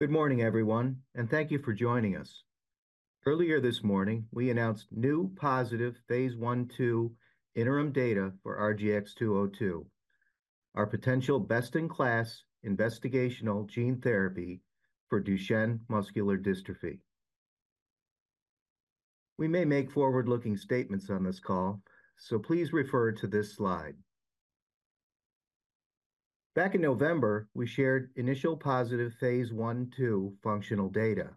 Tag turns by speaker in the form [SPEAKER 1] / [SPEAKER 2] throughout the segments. [SPEAKER 1] Good morning, everyone, and thank you for joining us. Earlier this morning, we announced new positive phase I-II interim data for RGX-202, our potential best-in-class investigational gene therapy for Duchenne muscular dystrophy. We may make forward-looking statements on this call, so please refer to this slide. Back in November, we shared initial positive phase I-II functional data.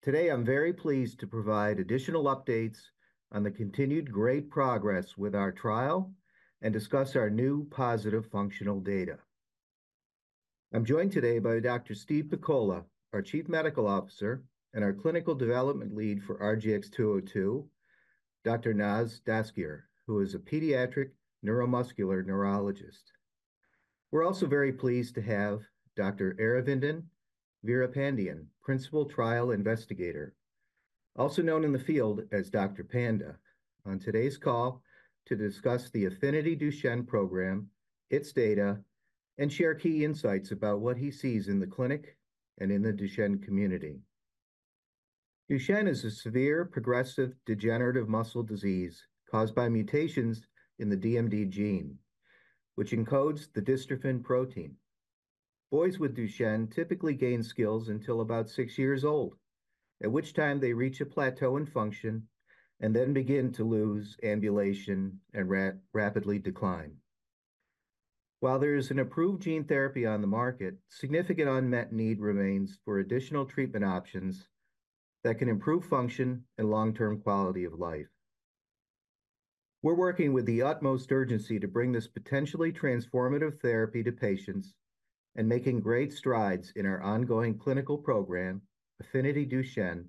[SPEAKER 1] Today, I'm very pleased to provide additional updates on the continued great progress with our trial and discuss our new positive functional data. I'm joined today by Dr. Steve Pakola, our Chief Medical Officer and our Clinical Development Lead for RGX-202, Dr. Naz Dastgir, who is a pediatric neuromuscular neurologist. We're also very pleased to have Dr. Veerapandiyan, Principal Trial Investigator, also known in the field as Dr. Veerapandiyan, on today's call to discuss the Affinity Duchenne program, its data, and share key insights about what he sees in the clinic and in the Duchenne community. Duchenne is a severe progressive degenerative muscle disease caused by mutations in the DMD gene, which encodes the dystrophin protein. Boys with Duchenne typically gain skills until about six years old, at which time they reach a plateau in function and then begin to lose ambulation and rapidly decline. While there is an approved gene therapy on the market, significant unmet need remains for additional treatment options that can improve function and long-term quality of life. We're working with the utmost urgency to bring this potentially transformative therapy to patients and making great strides in our ongoing clinical program, Affinity Duchenne,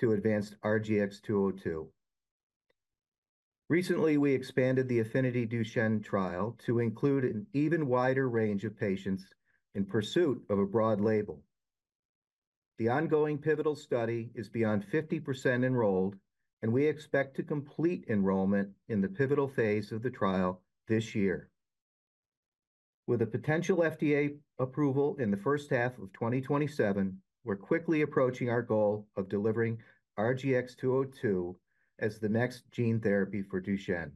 [SPEAKER 1] to advance RGX-202. Recently, we expanded the Affinity Duchenne trial to include an even wider range of patients in pursuit of a broad label. The ongoing pivotal study is beyond 50% enrolled, and we expect to complete enrollment in the pivotal phase of the trial this year. With a potential FDA approval in the first half of 2027, we're quickly approaching our goal of delivering RGX-202 as the next gene therapy for Duchenne.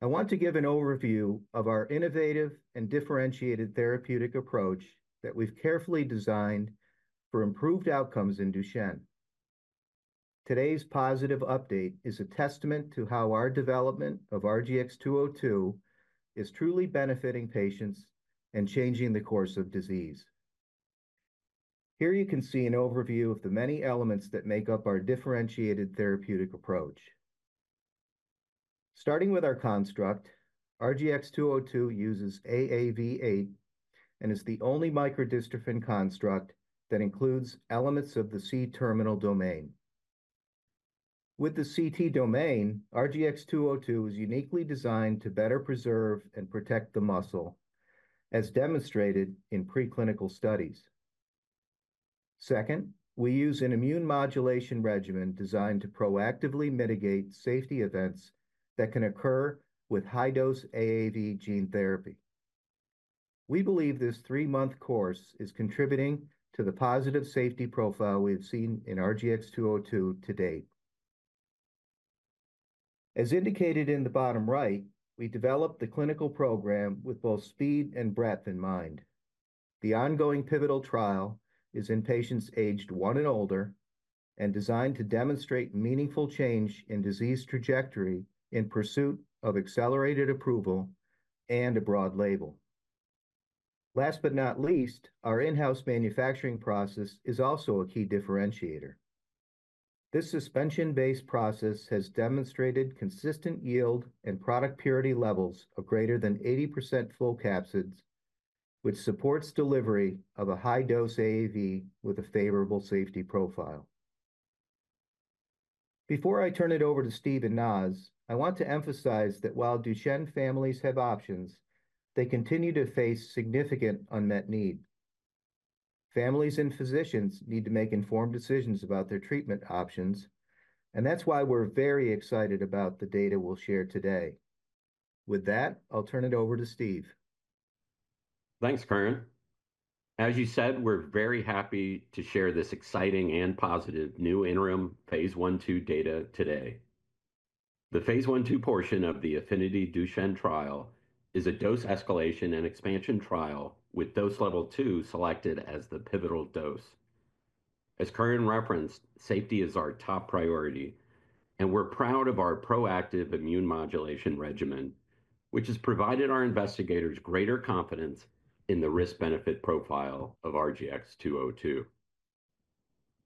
[SPEAKER 1] I want to give an overview of our innovative and differentiated therapeutic approach that we've carefully designed for improved outcomes in Duchenne. Today's positive update is a testament to how our development of RGX-202 is truly benefiting patients and changing the course of disease. Here you can see an overview of the many elements that make up our differentiated therapeutic approach. Starting with our construct, RGX-202 uses AAV8 and is the only microdystrophin construct that includes elements of the C-terminal domain. With the CT domain, RGX-202 is uniquely designed to better preserve and protect the muscle, as demonstrated in preclinical studies. Second, we use an immune modulation regimen designed to proactively mitigate safety events that can occur with high-dose AAV gene therapy. We believe this three-month course is contributing to the positive safety profile we have seen in RGX-202 to date. As indicated in the bottom right, we developed the clinical program with both speed and breadth in mind. The ongoing pivotal trial is in patients aged one and older and designed to demonstrate meaningful change in disease trajectory in pursuit of accelerated approval and a broad label. Last but not least, our in-house manufacturing process is also a key differentiator. This suspension-based process has demonstrated consistent yield and product purity levels of greater than 80% full capsids, which supports delivery of a high-dose AAV with a favorable safety profile. Before I turn it over to Steve and Naz, I want to emphasize that while Duchenne families have options, they continue to face significant unmet need. Families and physicians need to make informed decisions about their treatment options, and that's why we're very excited about the data we'll share today. With that, I'll turn it over to Steve.
[SPEAKER 2] Thanks, Curran. As you said, we're very happy to share this exciting and positive new interim phase I-II data today. The phase I-II portion of the Affinity Duchenne trial is a dose escalation and expansion trial with dose level two selected as the pivotal dose. As Curran referenced, safety is our top priority, and we're proud of our proactive immune modulation regimen, which has provided our investigators greater confidence in the risk-benefit profile of RGX-202.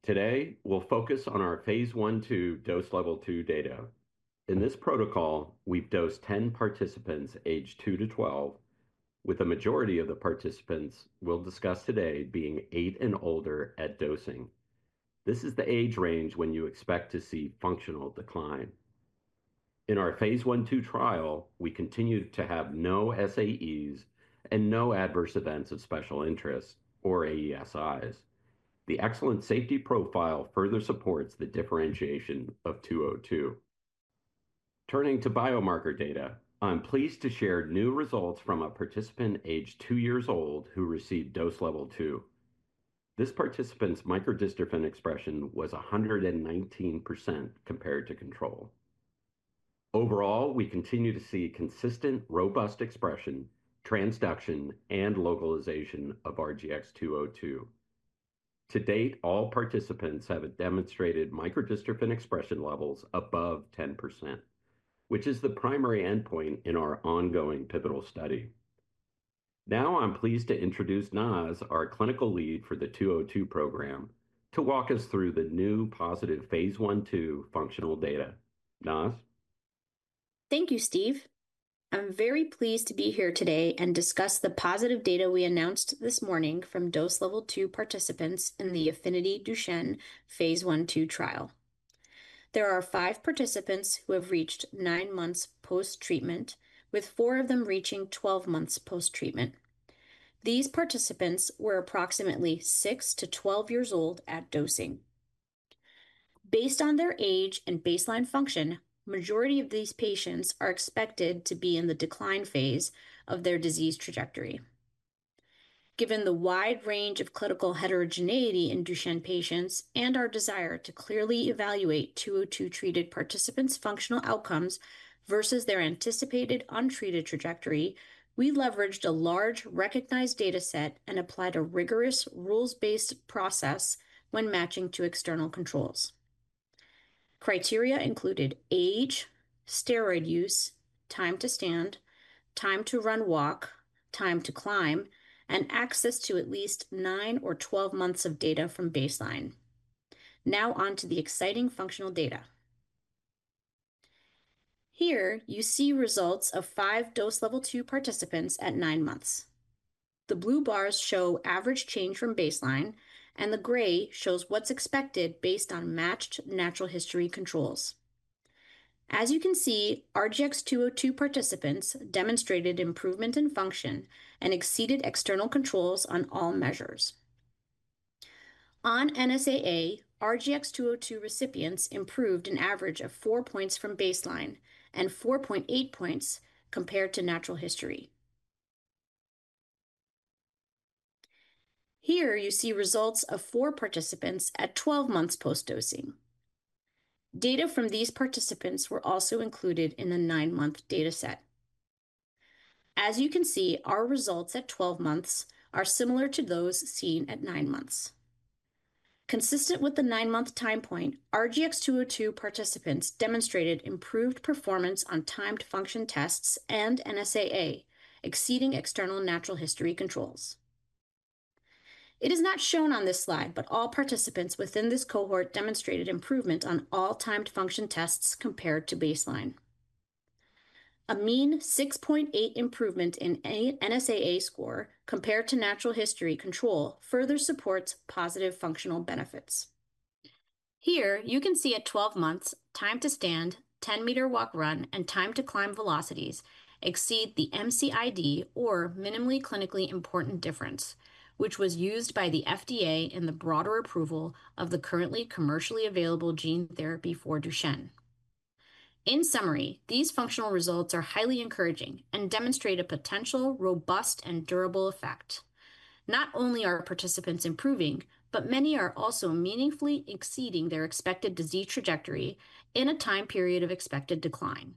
[SPEAKER 2] Today, we'll focus on our phase I-II dose level two data. In this protocol, we've dosed 10 participants aged 2-12, with a majority of the participants we'll discuss today being 8 and older at dosing. This is the age range when you expect to see functional decline. In our phase I-II trial, we continue to have no SAEs and no adverse events of special interest or AESIs. The excellent safety profile further supports the differentiation of 202. Turning to biomarker data, I'm pleased to share new results from a participant aged two years old who received dose level two. This participant's microdystrophin expression was 119% compared to control. Overall, we continue to see consistent, robust expression, transduction, and localization of RGX-202. To date, all participants have demonstrated microdystrophin expression levels above 10%, which is the primary endpoint in our ongoing pivotal study. Now, I'm pleased to introduce Naz, our Clinical Lead for the 202 program, to walk us through the new positive phase I-II functional data. Naz?
[SPEAKER 3] Thank you, Steve. I'm very pleased to be here today and discuss the positive data we announced this morning from dose level two participants in the Affinity Duchenne phase I-II trial. There are five participants who have reached nine months post-treatment, with four of them reaching 12 months post-treatment. These participants were approximately 6 to 12 years old at dosing. Based on their age and baseline function, the majority of these patients are expected to be in the decline phase of their disease trajectory. Given the wide range of clinical heterogeneity in Duchenne patients and our desire to clearly evaluate 202-treated participants' functional outcomes versus their anticipated untreated trajectory, we leveraged a large recognized dataset and applied a rigorous rules-based process when matching to external controls. Criteria included age, steroid use, time to stand, time to run/walk, time to climb, and access to at least 9 or 12 months of data from baseline. Now, on to the exciting functional data. Here, you see results of five dose level two participants at nine months. The blue bars show average change from baseline, and the gray shows what's expected based on matched natural history controls. As you can see, RGX-202 participants demonstrated improvement in function and exceeded external controls on all measures. On NSAA, RGX-202 recipients improved an average of 4 points from baseline and 4.8 points compared to natural history. Here, you see results of four participants at 12 months post-dosing. Data from these participants were also included in the nine-month dataset. As you can see, our results at 12 months are similar to those seen at nine months. Consistent with the nine-month time point, RGX-202 participants demonstrated improved performance on timed function tests and NSAA, exceeding external natural history controls. It is not shown on this slide, but all participants within this cohort demonstrated improvement on all timed function tests compared to baseline. A mean 6.8 improvement in NSAA score compared to natural history control further supports positive functional benefits. Here, you can see at 12 months, time to stand, 10-meter walk/run, and time to climb velocities exceed the MCID, or minimally clinically important difference, which was used by the FDA in the broader approval of the currently commercially available gene therapy for Duchenne. In summary, these functional results are highly encouraging and demonstrate a potential robust and durable effect. Not only are participants improving, but many are also meaningfully exceeding their expected disease trajectory in a time period of expected decline.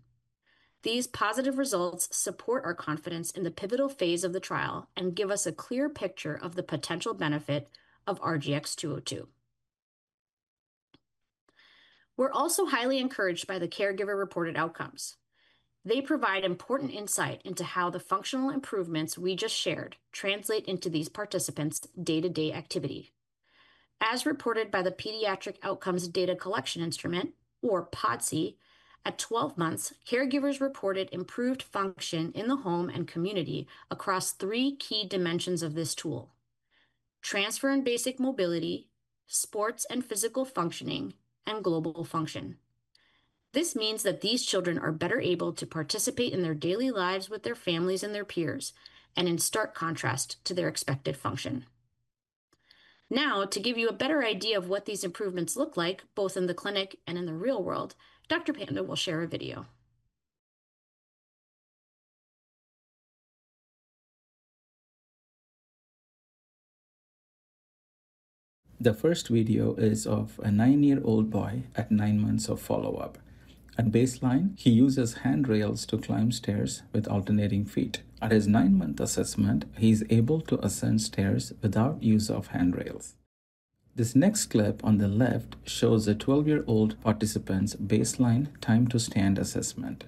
[SPEAKER 3] These positive results support our confidence in the pivotal phase of the trial and give us a clear picture of the potential benefit of RGX-202. We're also highly encouraged by the caregiver-reported outcomes. They provide important insight into how the functional improvements we just shared translate into these participants' day-to-day activity. As reported by the Pediatric Outcomes Data Collection Instrument, or PODCI, at 12 months, caregivers reported improved function in the home and community across three key dimensions of this tool: transfer and basic mobility, sports and physical functioning, and global function. This means that these children are better able to participate in their daily lives with their families and their peers and in stark contrast to their expected function. Now, to give you a better idea of what these improvements look like both in the clinic and in the real world, Dr. Veerapandiyan will share a video.
[SPEAKER 4] The first video is of a nine-year-old boy at nine months of follow-up. At baseline, he uses handrails to climb stairs with alternating feet. At his nine-month assessment, he is able to ascend stairs without use of handrails. This next clip on the left shows a 12-year-old participant's baseline time to stand assessment.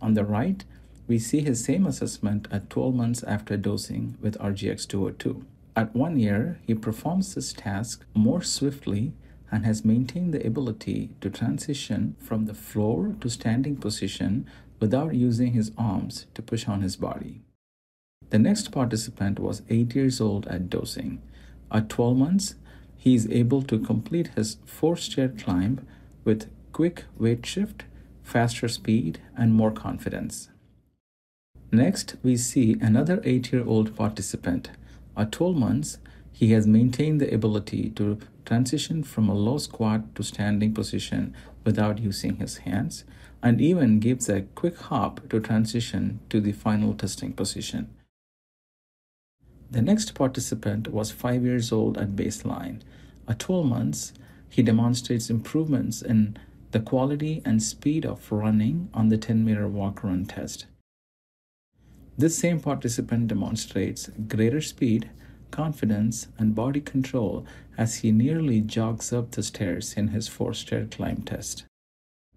[SPEAKER 4] On the right, we see his same assessment at 12 months after dosing with RGX-202. At one year, he performs this task more swiftly and has maintained the ability to transition from the floor to standing position without using his arms to push on his body. The next participant was eight years old at dosing. At 12 months, he is able to complete his four-step climb with quick weight shift, faster speed, and more confidence. Next, we see another eight-year-old participant. At 12 months, he has maintained the ability to transition from a low squat to standing position without using his hands and even gives a quick hop to transition to the final testing position. The next participant was 5 years old at baseline. At 12 months, he demonstrates improvements in the quality and speed of running on the 10-meter walk/run test. This same participant demonstrates greater speed, confidence, and body control as he nearly jogs up the stairs in his four-step climb test.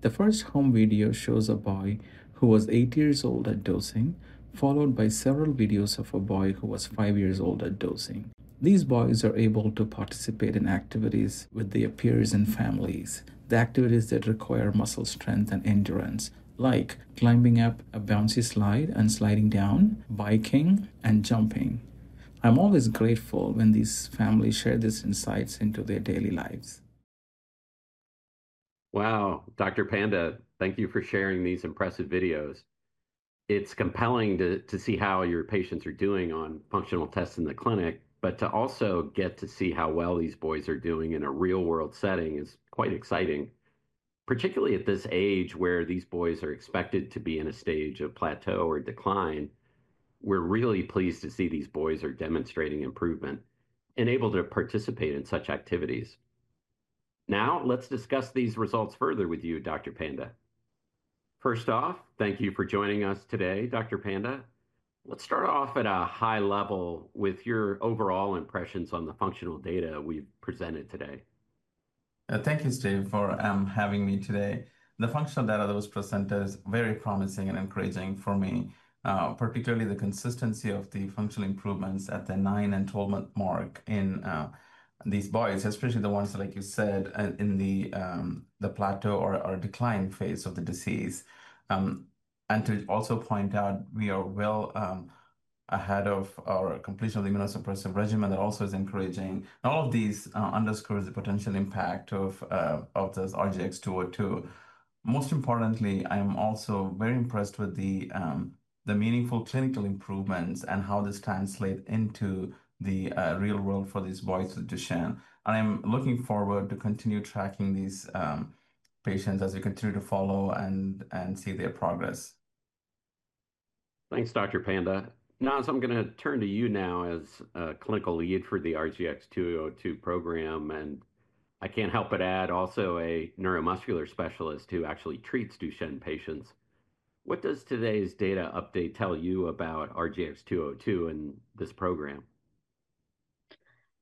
[SPEAKER 4] The first home video shows a boy who was 8 years old at dosing, followed by several videos of a boy who was 5 years old at dosing. These boys are able to participate in activities with their peers and families, the activities that require muscle strength and endurance, like climbing up a bouncy slide and sliding down, biking, and jumping. I'm always grateful when these families share these insights into their daily lives.
[SPEAKER 2] Wow, Dr. Veerapandiyan, thank you for sharing these impressive videos. It's compelling to see how your patients are doing on functional tests in the clinic, but to also get to see how well these boys are doing in a real-world setting is quite exciting. Particularly at this age where these boys are expected to be in a stage of plateau or decline, we're really pleased to see these boys are demonstrating improvement and able to participate in such activities. Now, let's discuss these results further with you, Dr. Veerapandiyan. First off, thank you for joining us today, Dr. Veerapandiyan. Let's start off at a high level with your overall impressions on the functional data we've presented today.
[SPEAKER 4] Thank you, Steve, for having me today. The functional data that was presented is very promising and encouraging for me, particularly the consistency of the functional improvements at the 9 and 12-month mark in these boys, especially the ones, like you said, in the plateau or decline phase of the disease. To also point out, we are well ahead of our completion of the immunosuppressive regimen. That also is encouraging. All of these underscore the potential impact of this RGX-202. Most importantly, I am also very impressed with the meaningful clinical improvements and how this translates into the real world for these boys with Duchenne. I am looking forward to continue tracking these patients as we continue to follow and see their progress.
[SPEAKER 2] Thanks, Dr. Veerapandiyan. Naz, I'm going to turn to you now as a Clinical Lead for the RGX-202 program, and I can't help but add also a neuromuscular specialist who actually treats Duchenne patients. What does today's data update tell you about RGX-202 and this program?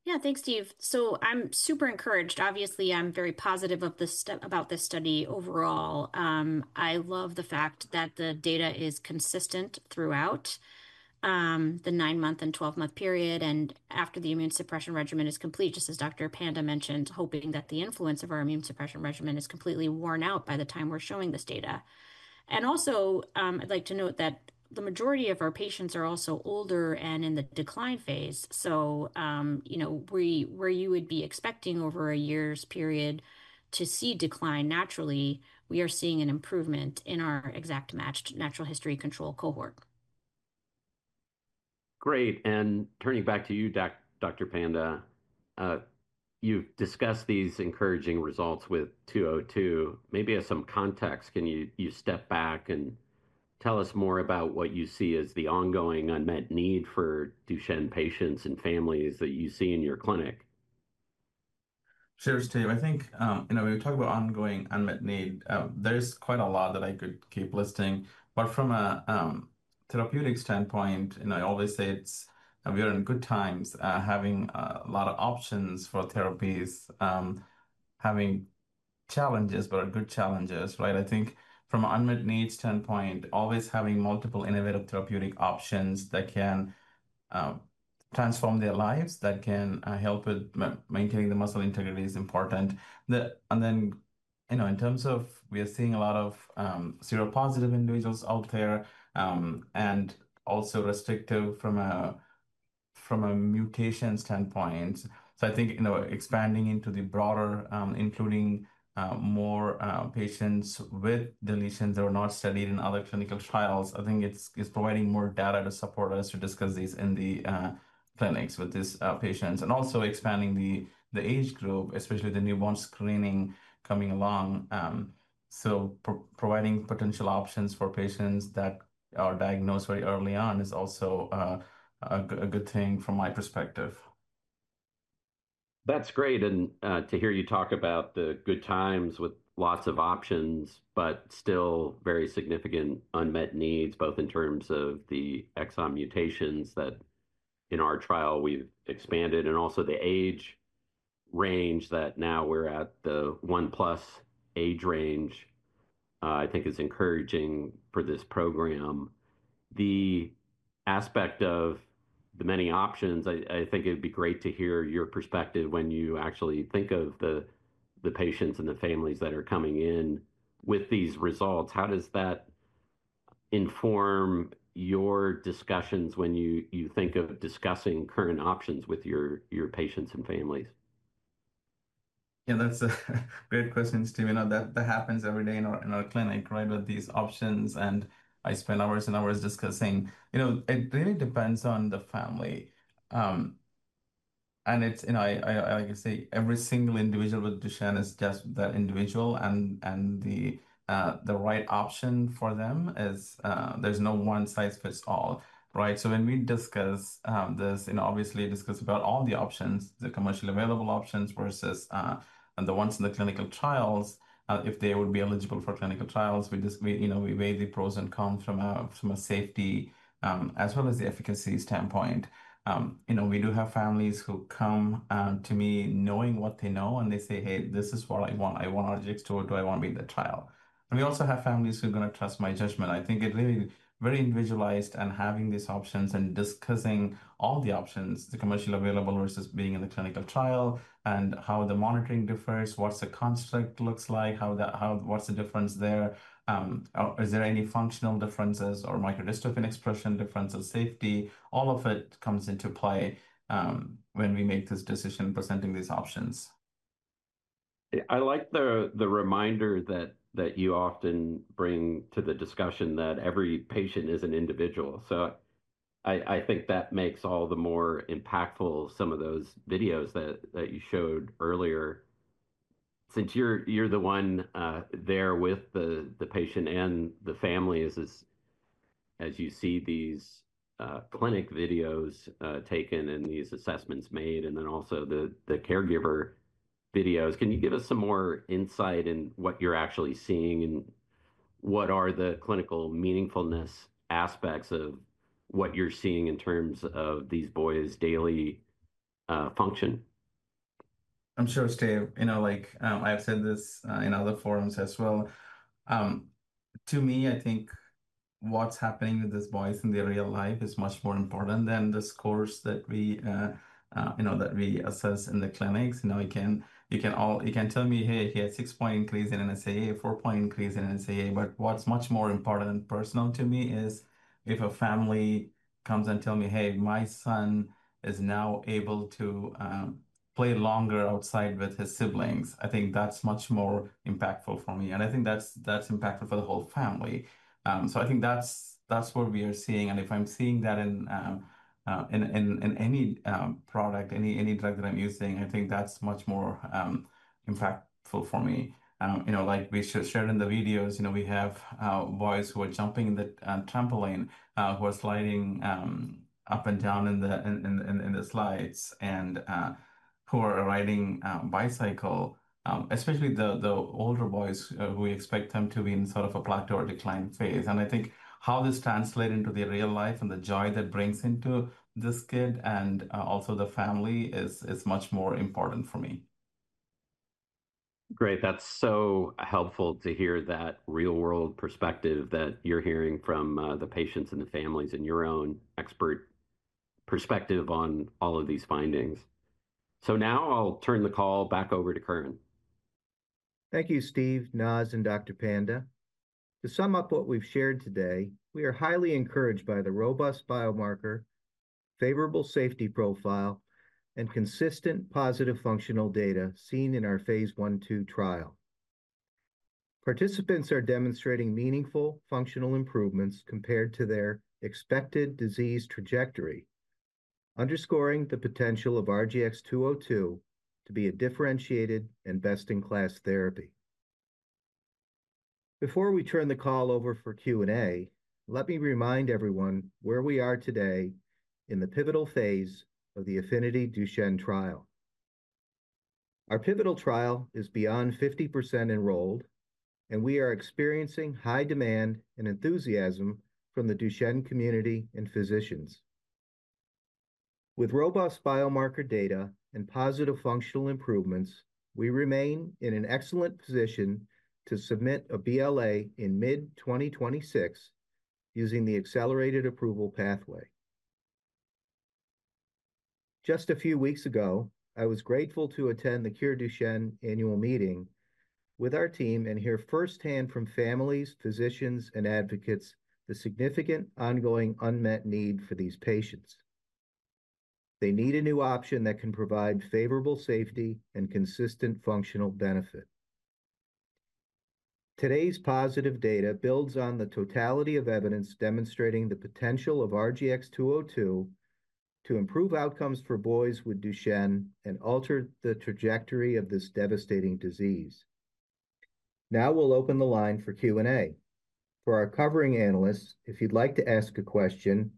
[SPEAKER 3] Yeah, thanks, Steve. I'm super encouraged. Obviously, I'm very positive about this study overall. I love the fact that the data is consistent throughout the 9-month and 12-month period, and after the immune suppression regimen is complete, just as Dr. Veerapandiyan mentioned, hoping that the influence of our immune suppression regimen is completely worn out by the time we're showing this data. I would also like to note that the majority of our patients are older and in the decline phase. Where you would be expecting over a year's period to see decline naturally, we are seeing an improvement in our exact matched natural history control cohort.
[SPEAKER 2] Great. Turning back to you, Dr. Veerapandiyan, you've discussed these encouraging results with 202. Maybe as some context, can you step back and tell us more about what you see as the ongoing unmet need for Duchenne patients and families that you see in your clinic?
[SPEAKER 4] Cheers, Steve. I think when we talk about ongoing unmet need, there's quite a lot that I could keep listing. But from a therapeutic standpoint, I always say it's we are in good times having a lot of options for therapies, having challenges, but good challenges, right? I think from an unmet need standpoint, always having multiple innovative therapeutic options that can transform their lives, that can help with maintaining the muscle integrity is important. Then in terms of we are seeing a lot of seropositive individuals out there and also restrictive from a mutation standpoint. I think expanding into the broader, including more patients with deletions that are not studied in other clinical trials, I think it's providing more data to support us to discuss these in the clinics with these patients. Also expanding the age group, especially the newborn screening coming along. Providing potential options for patients that are diagnosed very early on is also a good thing from my perspective.
[SPEAKER 2] That's great. To hear you talk about the good times with lots of options, but still very significant unmet needs, both in terms of the exon mutations that in our trial we've expanded and also the age range that now we're at the 1-plus age range, I think is encouraging for this program. The aspect of the many options, I think it'd be great to hear your perspective when you actually think of the patients and the families that are coming in with these results. How does that inform your discussions when you think of discussing current options with your patients and families?
[SPEAKER 4] Yeah, that's a great question, Steve. That happens every day in our clinic, right, with these options. I spend hours and hours discussing. It really depends on the family. Like I say, every single individual with Duchenne is just that individual, and the right option for them, there's no one size fits all, right? When we discuss this, obviously discuss about all the options, the commercially available options versus the ones in the clinical trials, if they would be eligible for clinical trials, we weigh the pros and cons from a safety as well as the efficacy standpoint. We do have families who come to me knowing what they know, and they say, "Hey, this is what I want. I want RGX-202. I want to be in the trial." We also have families who are going to trust my judgment. I think it really very individualized and having these options and discussing all the options, the commercially available versus being in the clinical trial and how the monitoring differs, what the construct looks like, what's the difference there, is there any functional differences or microdystrophin expression difference or safety, all of it comes into play when we make this decision presenting these options.
[SPEAKER 2] I like the reminder that you often bring to the discussion that every patient is an individual. I think that makes all the more impactful some of those videos that you showed earlier. Since you're the one there with the patient and the family, as you see these clinic videos taken and these assessments made and then also the caregiver videos, can you give us some more insight in what you're actually seeing and what are the clinical meaningfulness aspects of what you're seeing in terms of these boys' daily function?
[SPEAKER 4] I'm sure, Steve. I have said this in other forums as well. To me, I think what's happening with these boys in their real life is much more important than the scores that we assess in the clinics. You can tell me, "Hey, he has a 6-point increase in NSAA, a 4-point increase in NSAA," but what's much more important and personal to me is if a family comes and tells me, "Hey, my son is now able to play longer outside with his siblings," I think that's much more impactful for me. I think that's impactful for the whole family. I think that's what we are seeing. If I'm seeing that in any product, any drug that I'm using, I think that's much more impactful for me. Like we shared in the videos, we have boys who are jumping in the trampoline, who are sliding up and down in the slides, and who are riding a bicycle, especially the older boys who we expect them to be in sort of a plateau or decline phase. I think how this translates into their real life and the joy that brings into this kid and also the family is much more important for me.
[SPEAKER 2] Great. That's so helpful to hear that real-world perspective that you're hearing from the patients and the families and your own expert perspective on all of these findings. Now I'll turn the call back over to Curran.
[SPEAKER 1] Thank you, Steve, Naz, and Dr. Veerapandiyan. To sum up what we've shared today, we are highly encouraged by the robust biomarker, favorable safety profile, and consistent positive functional data seen in our phase I-II trial. Participants are demonstrating meaningful functional improvements compared to their expected disease trajectory, underscoring the potential of RGX-202 to be a differentiated and best-in-class therapy. Before we turn the call over for Q&A, let me remind everyone where we are today in the pivotal phase of the Affinity Duchenne trial. Our pivotal trial is beyond 50% enrolled, and we are experiencing high demand and enthusiasm from the Duchenne community and physicians. With robust biomarker data and positive functional improvements, we remain in an excellent position to submit a BLA in mid-2026 using the accelerated approval pathway. Just a few weeks ago, I was grateful to attend the Cure Duchenne annual meeting with our team and hear firsthand from families, physicians, and advocates the significant ongoing unmet need for these patients. They need a new option that can provide favorable safety and consistent functional benefit. Today's positive data builds on the totality of evidence demonstrating the potential of RGX-202 to improve outcomes for boys with Duchenne and alter the trajectory of this devastating disease. Now we'll open the line for Q&A. For our covering analysts, if you'd like to ask a question,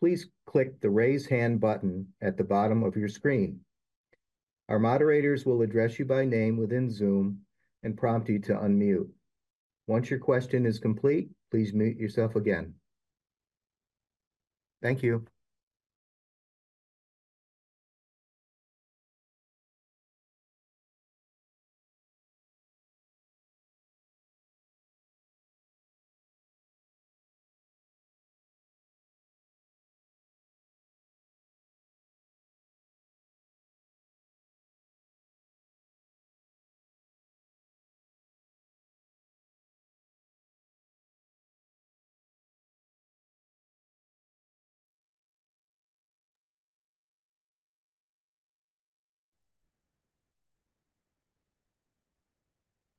[SPEAKER 1] please click the raise hand button at the bottom of your screen. Our moderators will address you by name within Zoom and prompt you to unmute. Once your question is complete, please mute yourself again. Thank you.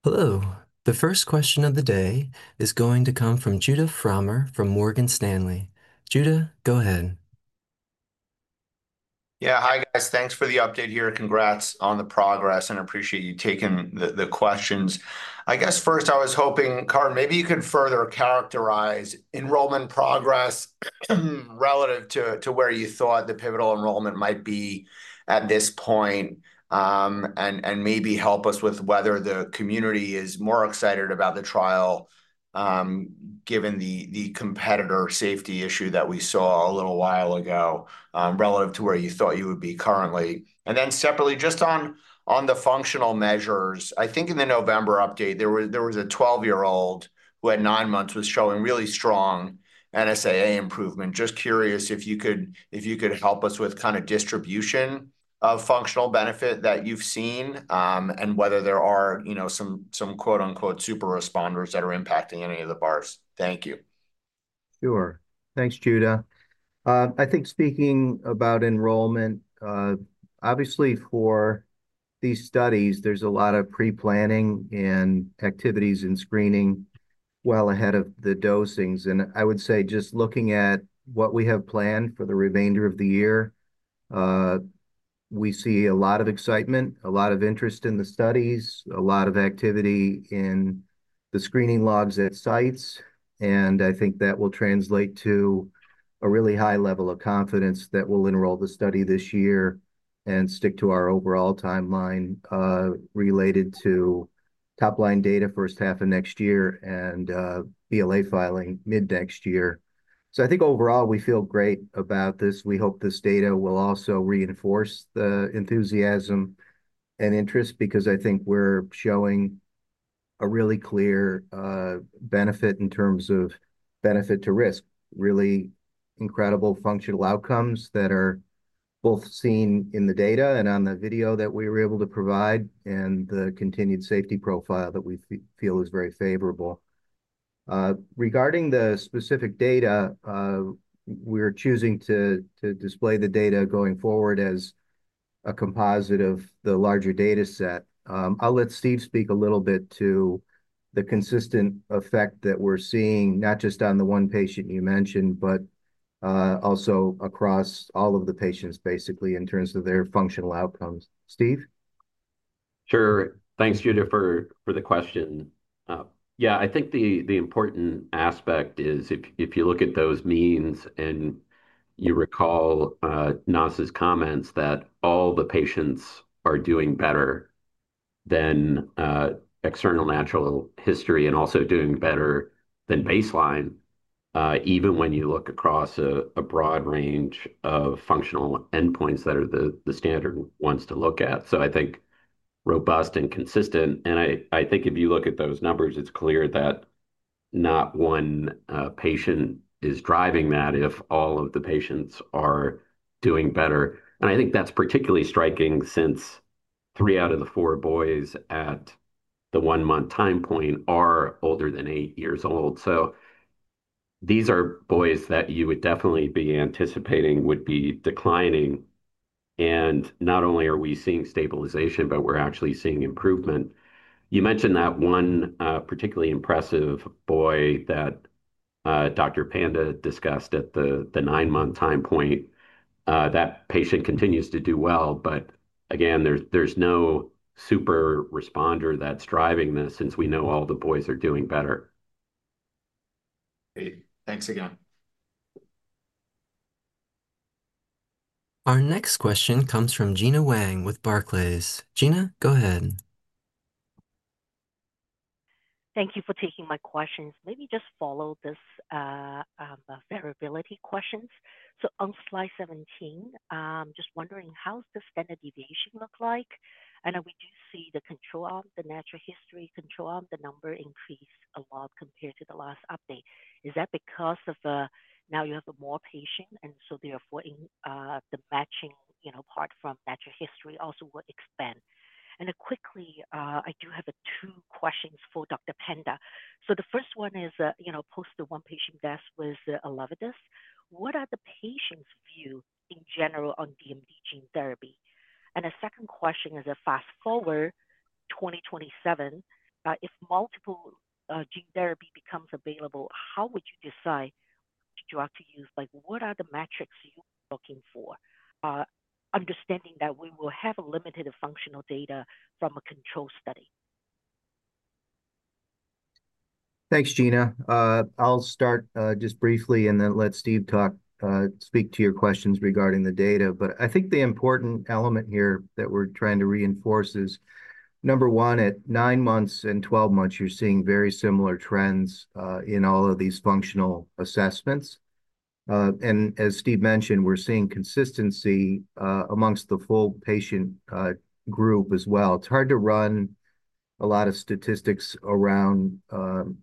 [SPEAKER 5] Hello. The first question of the day is going to come from Judah Frommer from Morgan Stanley. Judah, go ahead.
[SPEAKER 6] Yeah, hi, guys. Thanks for the update here. Congrats on the progress, and I appreciate you taking the questions. I guess first, I was hoping, Curran, maybe you could further characterize enrollment progress relative to where you thought the pivotal enrollment might be at this point and maybe help us with whether the community is more excited about the trial given the competitor safety issue that we saw a little while ago relative to where you thought you would be currently. Separately, just on the functional measures, I think in the November update, there was a 12-year-old who at 9 months was showing really strong NSAA improvement. Just curious if you could help us with kind of distribution of functional benefit that you've seen and whether there are some "super responders" that are impacting any of the bars. Thank you.
[SPEAKER 1] Sure. Thanks, Judah. I think speaking about enrollment, obviously for these studies, there's a lot of pre-planning and activities and screening well ahead of the dosings. I would say just looking at what we have planned for the remainder of the year, we see a lot of excitement, a lot of interest in the studies, a lot of activity in the screening logs at sites. I think that will translate to a really high level of confidence that we'll enroll the study this year and stick to our overall timeline related to top-line data first half of next year and BLA filing mid-next year. I think overall, we feel great about this. We hope this data will also reinforce the enthusiasm and interest because I think we're showing a really clear benefit in terms of benefit to risk, really incredible functional outcomes that are both seen in the data and on the video that we were able to provide and the continued safety profile that we feel is very favorable. Regarding the specific data, we're choosing to display the data going forward as a composite of the larger data set. I'll let Steve speak a little bit to the consistent effect that we're seeing, not just on the one patient you mentioned, but also across all of the patients basically in terms of their functional outcomes. Steve?
[SPEAKER 2] Sure. Thanks, Judah, for the question. Yeah, I think the important aspect is if you look at those means and you recall Naz's comments that all the patients are doing better than external natural history and also doing better than baseline, even when you look across a broad range of functional endpoints that are the standard ones to look at. I think robust and consistent. I think if you look at those numbers, it's clear that not one patient is driving that if all of the patients are doing better. I think that's particularly striking since three out of the four boys at the one-month time point are older than eight years old. These are boys that you would definitely be anticipating would be declining. Not only are we seeing stabilization, but we're actually seeing improvement. You mentioned that one particularly impressive boy that Dr. Veerapandiyan discussed at the nine-month time point. That patient continues to do well, but again, there's no super responder that's driving this since we know all the boys are doing better.
[SPEAKER 6] Great. Thanks again.
[SPEAKER 5] Our next question comes from Gena Wang with Barclays. Gina, go ahead.
[SPEAKER 7] Thank you for taking my questions. Let me just follow this variability questions. On slide 17, I'm just wondering how's the standard deviation look like? We do see the control arm, the natural history control arm, the number increased a lot compared to the last update. Is that because now you have more patients, and so therefore the matching part from natural history also will expand? I do have two questions for Dr. Veerapandiyan. The first one is post the one-patient death with Elevidys. What are the patients' views in general on DMD gene therapy? The second question is fast-forward to 2027. If multiple gene therapy becomes available, how would you decide what you have to use? What are the metrics you're looking for, understanding that we will have limited functional data from a control study?
[SPEAKER 1] Thanks, Gina. I'll start just briefly and then let Steve speak to your questions regarding the data. I think the important element here that we're trying to reinforce is, number one, at 9 months and 12 months, you're seeing very similar trends in all of these functional assessments. As Steve mentioned, we're seeing consistency amongst the full patient group as well. It's hard to run a lot of statistics around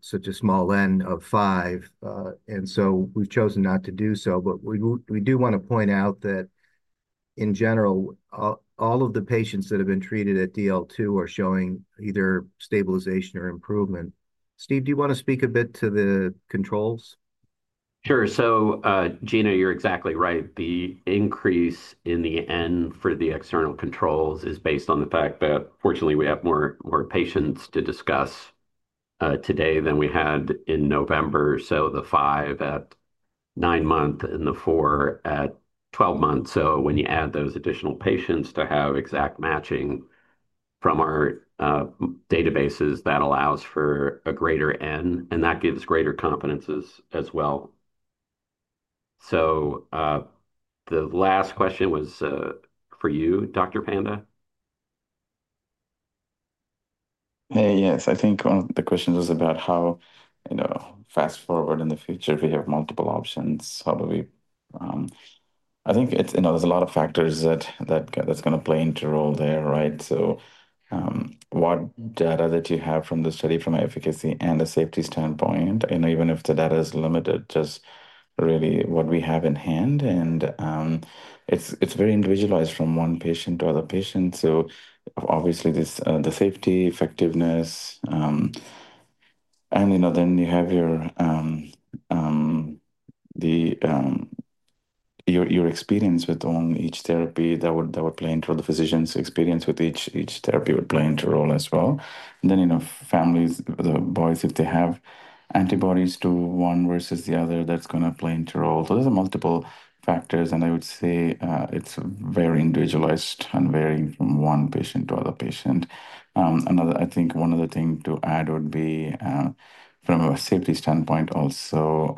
[SPEAKER 1] such a small N of 5. We have chosen not to do so. We do want to point out that in general, all of the patients that have been treated at DL2 are showing either stabilization or improvement. Steve, do you want to speak a bit to the controls?
[SPEAKER 2] Sure. Gina, you're exactly right. The increase in the N for the external controls is based on the fact that, fortunately, we have more patients to discuss today than we had in November. The five at nine months and the four at twelve months. When you add those additional patients to have exact matching from our databases, that allows for a greater N, and that gives greater confidence as well. The last question was for you, Dr. Veerapandiyan.
[SPEAKER 4] Hey, yes. I think one of the questions was about how fast-forward in the future if we have multiple options. I think there's a lot of factors that's going to play into role there, right? What data that you have from the study from an efficacy and a safety standpoint, even if the data is limited, just really what we have in hand. It's very individualized from one patient to other patients. Obviously, the safety, effectiveness, and then you have your experience with each therapy that would play into the physician's experience with each therapy would play into role as well. Families, the boys, if they have antibodies to one versus the other, that's going to play into role. There's multiple factors, and I would say it's very individualized and varying from one patient to other patient. I think one other thing to add would be from a safety standpoint also,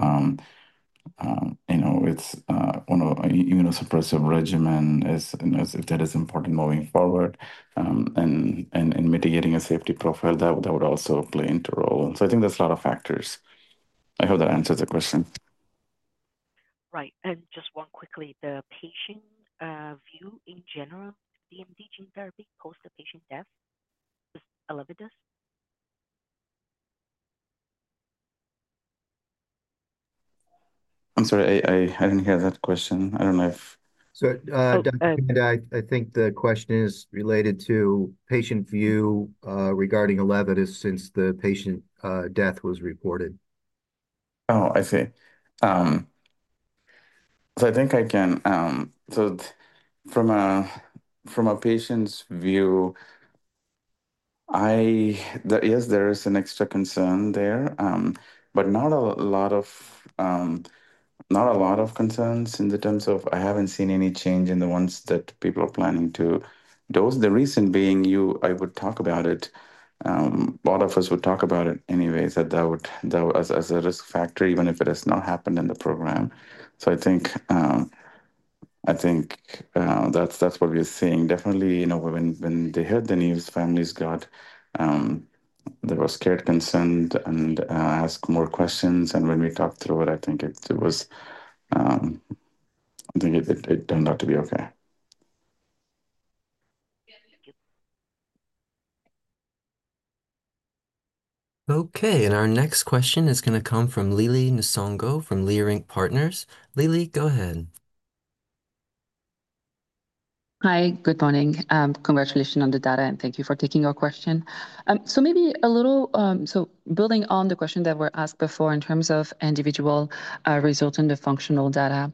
[SPEAKER 4] it's one of immunosuppressive regimens if that is important moving forward and mitigating a safety profile that would also play into role. I think there's a lot of factors. I hope that answers the question.
[SPEAKER 7] Right. And just one quickly, the patient view in general, DMD gene therapy post the patient death with Elevidys?
[SPEAKER 4] I'm sorry, I didn't hear that question. I don't know if.
[SPEAKER 7] Dr. Veerapandiyan.
[SPEAKER 1] I think the question is related to patient view regarding Elevidys since the patient death was reported.
[SPEAKER 4] Oh, I see. I think I can, so from a patient's view, yes, there is an extra concern there, but not a lot of concerns in terms of I haven't seen any change in the ones that people are planning to dose. The reason being, I would talk about it. A lot of us would talk about it anyways as a risk factor, even if it has not happened in the program. I think that's what we're seeing. Definitely, when they heard the news, families got, they were scared, concerned, and asked more questions. When we talked through it, I think it turned out to be okay.
[SPEAKER 5] Okay. Our next question is going to come from Lily Nsongo from Leerink Partners. Lily, go ahead.
[SPEAKER 8] Hi, good morning. Congratulations on the data, and thank you for taking our question. Maybe building on the question that were asked before in terms of individual results in the functional data,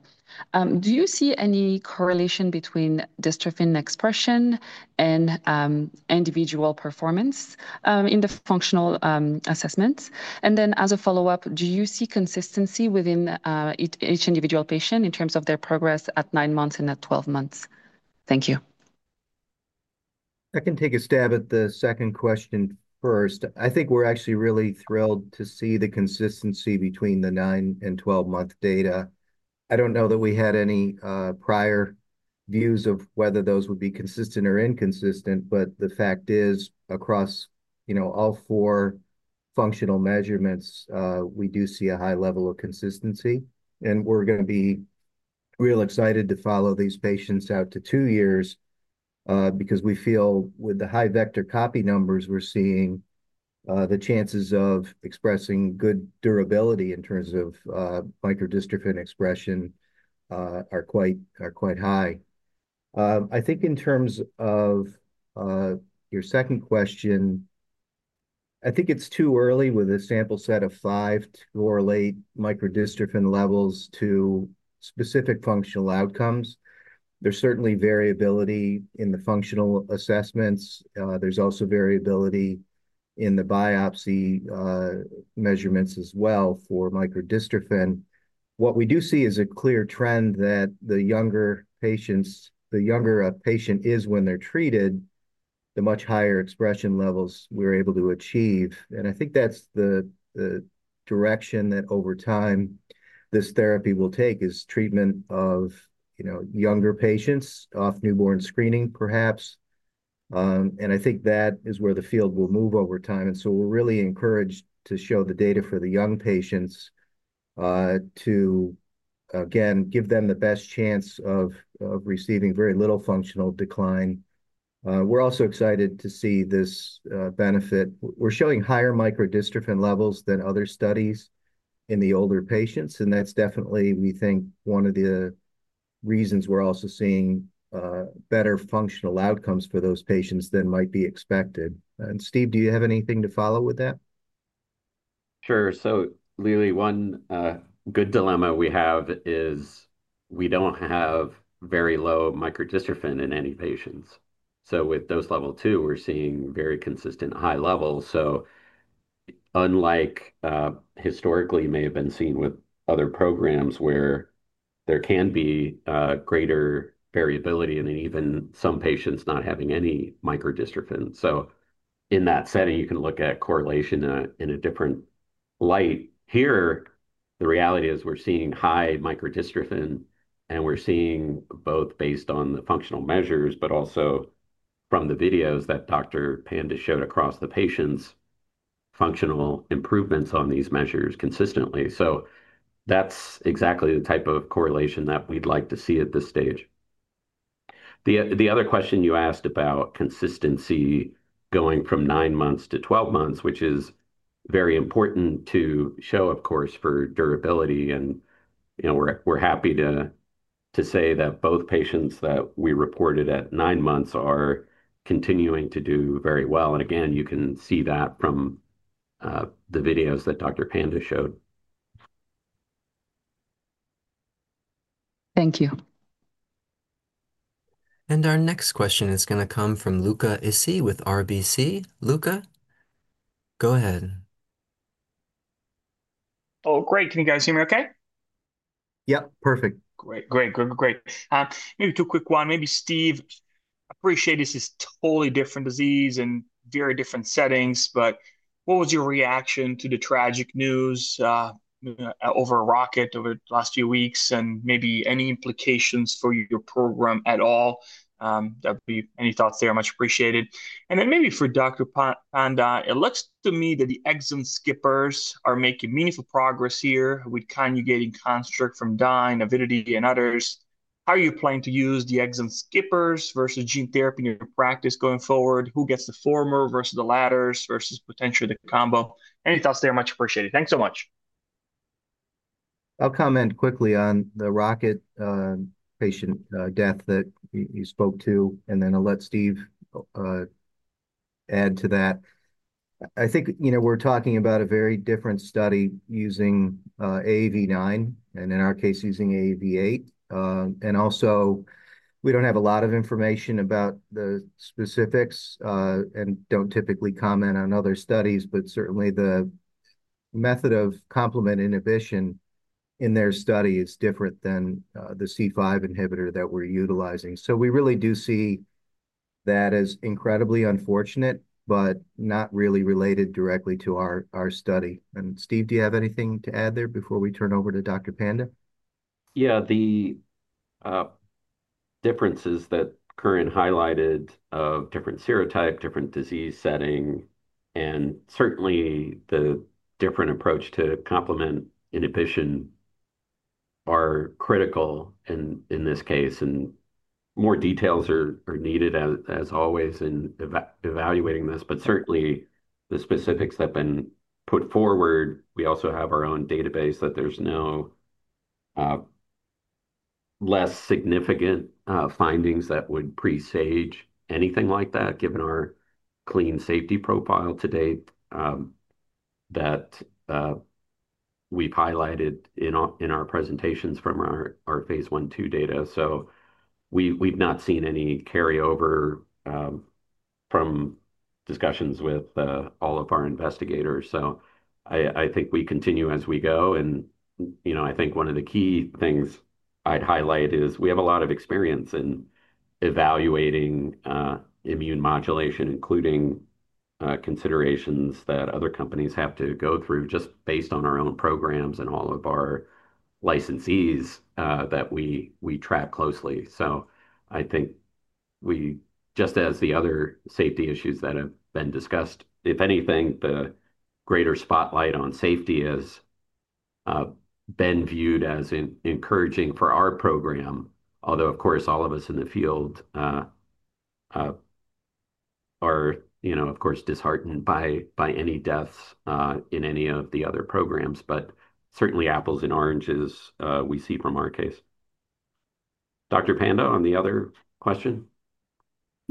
[SPEAKER 8] do you see any correlation between dystrophin expression and individual performance in the functional assessments? As a follow-up, do you see consistency within each individual patient in terms of their progress at 9 months and at 12 months? Thank you.
[SPEAKER 1] I can take a stab at the second question first. I think we're actually really thrilled to see the consistency between the 9 and 12-month data. I don't know that we had any prior views of whether those would be consistent or inconsistent, but the fact is across all four functional measurements, we do see a high level of consistency. We're going to be real excited to follow these patients out to two years because we feel with the high vector copy numbers we're seeing, the chances of expressing good durability in terms of microdystrophin expression are quite high. I think in terms of your second question, I think it's too early with a sample set of five to correlate microdystrophin levels to specific functional outcomes. There's certainly variability in the functional assessments. There's also variability in the biopsy measurements as well for microdystrophin. What we do see is a clear trend that the younger a patient is when they're treated, the much higher expression levels we're able to achieve. I think that's the direction that over time this therapy will take is treatment of younger patients, off-newborn screening, perhaps. I think that is where the field will move over time. We are really encouraged to show the data for the young patients to, again, give them the best chance of receiving very little functional decline. We are also excited to see this benefit. We are showing higher microdystrophin levels than other studies in the older patients. That is definitely, we think, one of the reasons we are also seeing better functional outcomes for those patients than might be expected. Steve, do you have anything to follow with that?
[SPEAKER 2] Sure. Lily, one good dilemma we have is we do not have very low microdystrophin in any patients. With dose level two, we are seeing very consistent high levels. Unlike historically what may have been seen with other programs where there can be greater variability and even some patients not having any microdystrophin, in that setting, you can look at correlation in a different light. Here, the reality is we are seeing high microdystrophin, and we are seeing both based on the functional measures, but also from the videos that Dr. Veerapandiyan showed across the patients, functional improvements on these measures consistently. That is exactly the type of correlation that we would like to see at this stage. The other question you asked about consistency going from 9 months to 12 months, which is very important to show, of course, for durability. We're happy to say that both patients that we reported at nine months are continuing to do very well. Again, you can see that from the videos that Dr. Veerapandiyan showed.
[SPEAKER 8] Thank you.
[SPEAKER 5] Our next question is going to come from Luca Issi with RBC. Luca, go ahead.
[SPEAKER 9] Oh, great. Can you guys hear me okay?
[SPEAKER 1] Yep. Perfect.
[SPEAKER 9] Great. Maybe two quick ones. Maybe Steve, I appreciate this is totally different disease and very different settings, but what was your reaction to the tragic news over Roctavian over the last few weeks and maybe any implications for your program at all? Any thoughts there? Much appreciated. Then maybe for Dr. Veerapandiyan, it looks to me that the exon skippers are making meaningful progress here with conjugating construct from Dyne, Avidity, and others. How are you planning to use the exon skippers versus gene therapy in your practice going forward? Who gets the former versus the latter versus potentially the combo? Any thoughts there? Much appreciated. Thanks so much.
[SPEAKER 1] I'll comment quickly on the Roctavian patient death that you spoke to, and then I'll let Steve add to that. I think we're talking about a very different study using AAV5 and in our case, using AAV8. Also, we don't have a lot of information about the specifics and don't typically comment on other studies, but certainly the method of complement inhibition in their study is different than the C5 inhibitor that we're utilizing. We really do see that as incredibly unfortunate, but not really related directly to our study. Steve, do you have anything to add there before we turn over to Dr. Veerapandiyan?
[SPEAKER 2] Yeah. The differences that Curran highlighted of different serotype, different disease setting, and certainly the different approach to complement inhibition are critical in this case. More details are needed, as always, in evaluating this. Certainly, the specifics that have been put forward, we also have our own database that there's no less significant findings that would presage anything like that, given our clean safety profile to date that we've highlighted in our presentations from our phase I-II data. We've not seen any carryover from discussions with all of our investigators. I think we continue as we go. I think one of the key things I'd highlight is we have a lot of experience in evaluating immune modulation, including considerations that other companies have to go through just based on our own programs and all of our licensees that we track closely. I think just as the other safety issues that have been discussed, if anything, the greater spotlight on safety has been viewed as encouraging for our program, although, of course, all of us in the field are, of course, disheartened by any deaths in any of the other programs. Certainly, apples and oranges we see from our case. Dr. Veerapandiyan, on the other question?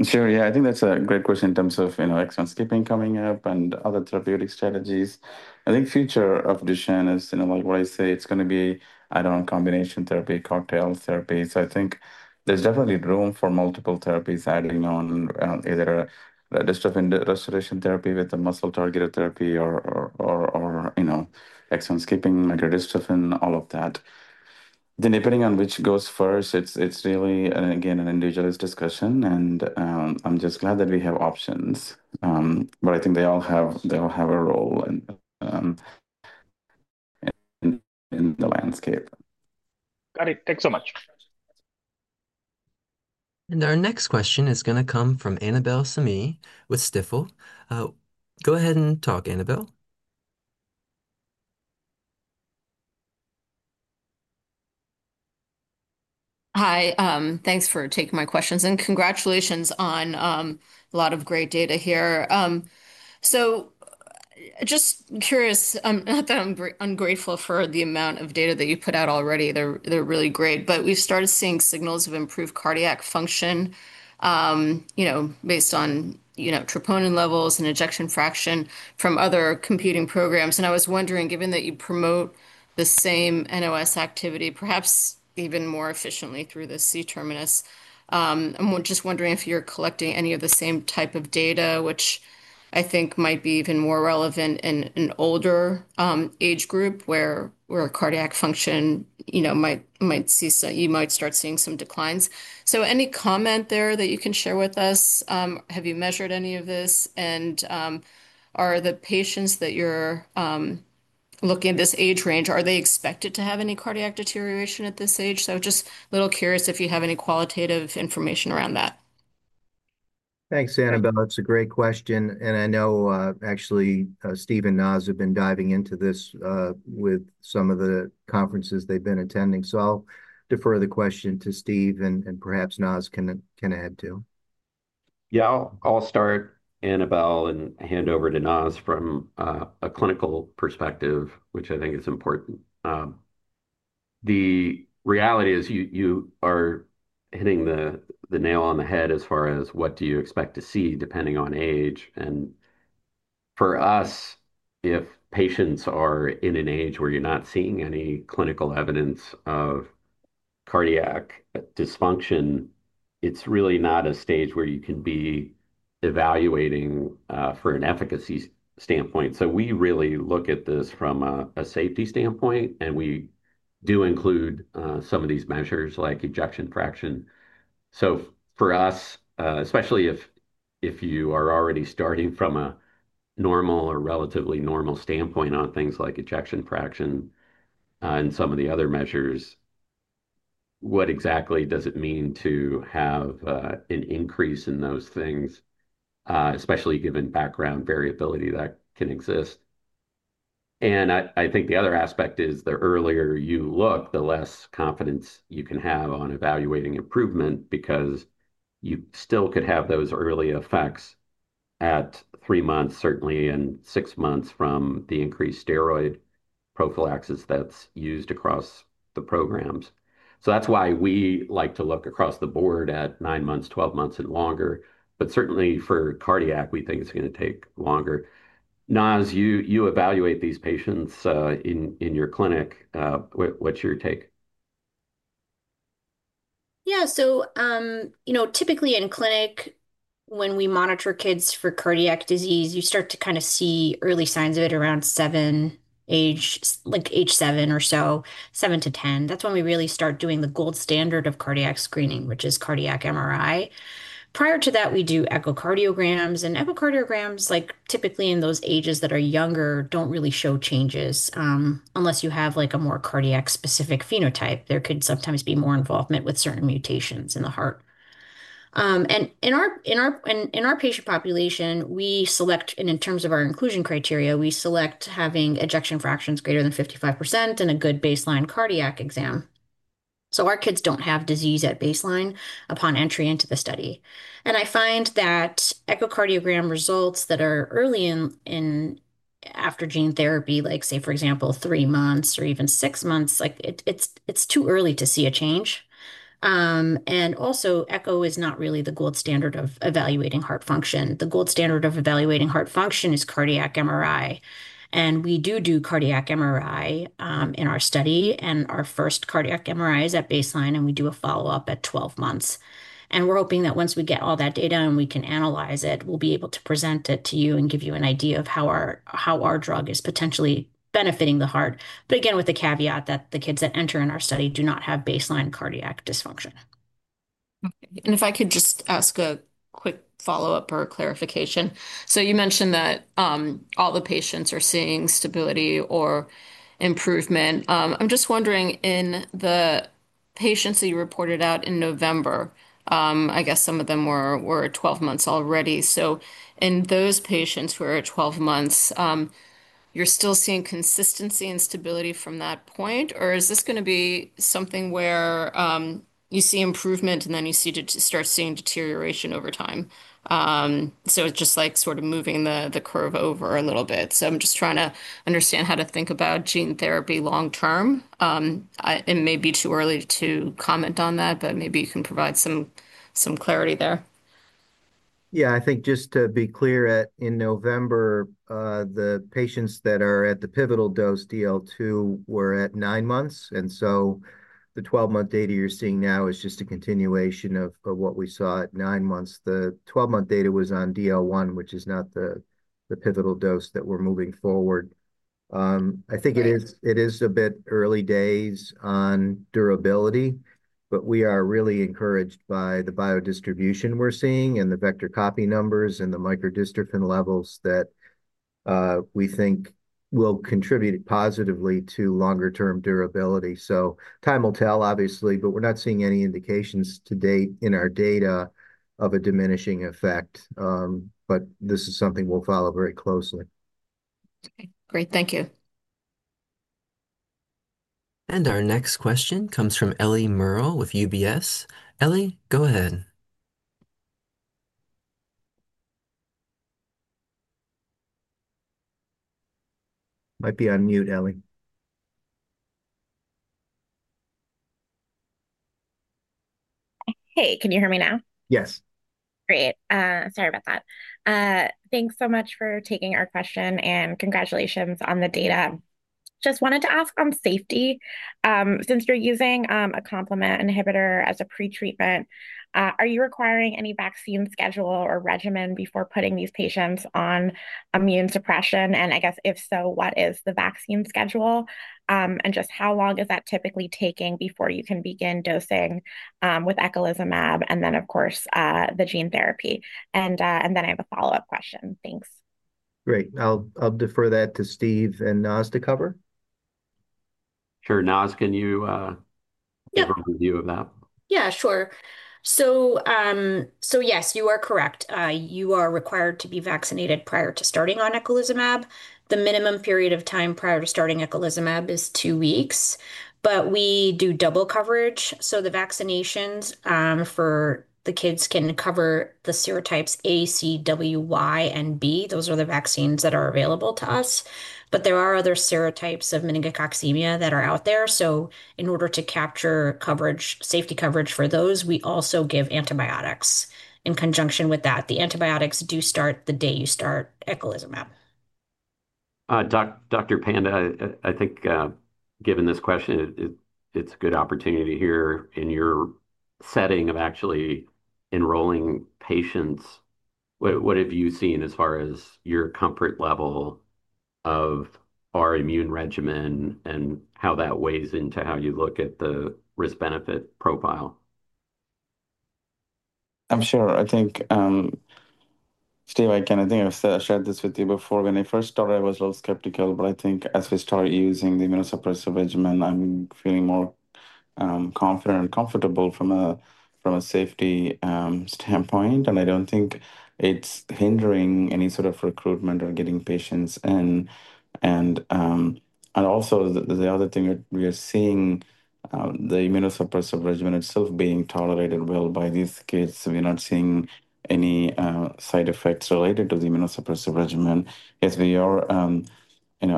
[SPEAKER 4] Sure. Yeah. I think that's a great question in terms of exon skipping coming up and other therapeutic strategies. I think future of Duchenne is, like what I say, it's going to be add-on combination therapy, cocktail therapy. I think there's definitely room for multiple therapies adding on either dystrophin restoration therapy with the muscle targeted therapy or exon skipping, microdystrophin, all of that. Depending on which goes first, it's really, again, an individualist discussion. I'm just glad that we have options, but I think they all have a role in the landscape.
[SPEAKER 9] Got it. Thanks so much.
[SPEAKER 5] Our next question is going to come from Annabel Samimy with Stifel. Go ahead and talk, Annabel.
[SPEAKER 10] Hi. Thanks for taking my questions. And congratulations on a lot of great data here. Just curious, not that I'm not grateful for the amount of data that you put out already. They're really great. We've started seeing signals of improved cardiac function based on troponin levels and ejection fraction from other competing programs. I was wondering, given that you promote the same NOS activity, perhaps even more efficiently through the C-terminal domain, I'm just wondering if you're collecting any of the same type of data, which I think might be even more relevant in an older age group where cardiac function might start seeing some declines. Any comment there that you can share with us? Have you measured any of this? Are the patients that you're looking at, this age range, are they expected to have any cardiac deterioration at this age? Just a little curious if you have any qualitative information around that.
[SPEAKER 1] Thanks, Annabel. It's a great question. I know actually Steve and Naz have been diving into this with some of the conferences they've been attending. I'll defer the question to Steve, and perhaps Naz can add to.
[SPEAKER 2] Yeah. I'll start, Annabel, and hand over to Naz from a clinical perspective, which I think is important. The reality is you are hitting the nail on the head as far as what do you expect to see depending on age. For us, if patients are in an age where you're not seeing any clinical evidence of cardiac dysfunction, it's really not a stage where you can be evaluating for an efficacy standpoint. We really look at this from a safety standpoint, and we do include some of these measures like ejection fraction. For us, especially if you are already starting from a normal or relatively normal standpoint on things like ejection fraction and some of the other measures, what exactly does it mean to have an increase in those things, especially given background variability that can exist? I think the other aspect is the earlier you look, the less confidence you can have on evaluating improvement because you still could have those early effects at three months, certainly, and six months from the increased steroid prophylaxis that's used across the programs. That's why we like to look across the board at 9 months, 12 months, and longer. Certainly, for cardiac, we think it's going to take longer. Naz, you evaluate these patients in your clinic. What's your take?
[SPEAKER 3] Yeah. Typically in clinic, when we monitor kids for cardiac disease, you start to kind of see early signs of it around age seven or so, seven to ten. That's when we really start doing the gold standard of cardiac screening, which is cardiac MRI. Prior to that, we do echocardiograms. Echocardiograms, typically in those ages that are younger, do not really show changes unless you have a more cardiac-specific phenotype. There could sometimes be more involvement with certain mutations in the heart. In our patient population, in terms of our inclusion criteria, we select having ejection fractions greater than 55% and a good baseline cardiac exam. Our kids do not have disease at baseline upon entry into the study. I find that echocardiogram results that are early after gene therapy, like say, for example, three months or even six months, it's too early to see a change. Also, echo is not really the gold standard of evaluating heart function. The gold standard of evaluating heart function is cardiac MRI. We do do cardiac MRI in our study. Our first cardiac MRI is at baseline, and we do a follow-up at 12 months. We're hoping that once we get all that data and we can analyze it, we'll be able to present it to you and give you an idea of how our drug is potentially benefiting the heart. Again, with the caveat that the kids that enter in our study do not have baseline cardiac dysfunction.
[SPEAKER 10] Okay. If I could just ask a quick follow-up or clarification. You mentioned that all the patients are seeing stability or improvement. I'm just wondering, in the patients that you reported out in November, I guess some of them were 12 months already. In those patients who are at 12 months, you're still seeing consistency and stability from that point, or is this going to be something where you see improvement and then you start seeing deterioration over time? It's just like sort of moving the curve over a little bit. I'm just trying to understand how to think about gene therapy long-term. It may be too early to comment on that, but maybe you can provide some clarity there.
[SPEAKER 1] Yeah. I think just to be clear, in November, the patients that are at the pivotal dose, DL2, were at 9 months. The 12-month data you're seeing now is just a continuation of what we saw at 9 months. The 12-month data was on DL1, which is not the pivotal dose that we're moving forward. I think it is a bit early days on durability, but we are really encouraged by the biodistribution we're seeing and the vector copy numbers and the microdystrophin levels that we think will contribute positively to longer-term durability. Time will tell, obviously, but we're not seeing any indications to date in our data of a diminishing effect. This is something we'll follow very closely.
[SPEAKER 10] Okay. Great. Thank you.
[SPEAKER 5] Our next question comes from Ellie Murrell with UBS. Ellie, go ahead.
[SPEAKER 1] Might be on mute, Ellie.
[SPEAKER 11] Hey, can you hear me now?
[SPEAKER 1] Yes.
[SPEAKER 11] Great. Sorry about that. Thanks so much for taking our question and congratulations on the data. Just wanted to ask on safety. Since you're using a complement inhibitor as a pretreatment, are you requiring any vaccine schedule or regimen before putting these patients on immune suppression? If so, what is the vaccine schedule? Just how long is that typically taking before you can begin dosing with eculizumab and then, of course, the gene therapy? I have a follow-up question. Thanks.
[SPEAKER 1] Great. I'll defer that to Steve and Naz to cover.
[SPEAKER 2] Sure. Naz, can you give a review of that?
[SPEAKER 3] Yeah, sure. Yes, you are correct. You are required to be vaccinated prior to starting on eculizumab. The minimum period of time prior to starting eculizumab is two weeks. We do double coverage. The vaccinations for the kids can cover the serotypes A, C, W, Y, and B. Those are the vaccines that are available to us. There are other serotypes of meningococcemia that are out there. In order to capture safety coverage for those, we also give antibiotics in conjunction with that. The antibiotics do start the day you start eculizumab.
[SPEAKER 2] Dr. Veerapandiyan, I think given this question, it's a good opportunity here in your setting of actually enrolling patients. What have you seen as far as your comfort level of our immune regimen and how that weighs into how you look at the risk-benefit profile?
[SPEAKER 4] I'm sure. I think, Steve, I think I've shared this with you before. When I first started, I was a little skeptical, but I think as we started using the immunosuppressive regimen, I'm feeling more confident and comfortable from a safety standpoint. I don't think it's hindering any sort of recruitment or getting patients in. Also, the other thing we are seeing, the immunosuppressive regimen itself is being tolerated well by these kids. We're not seeing any side effects related to the immunosuppressive regimen as we are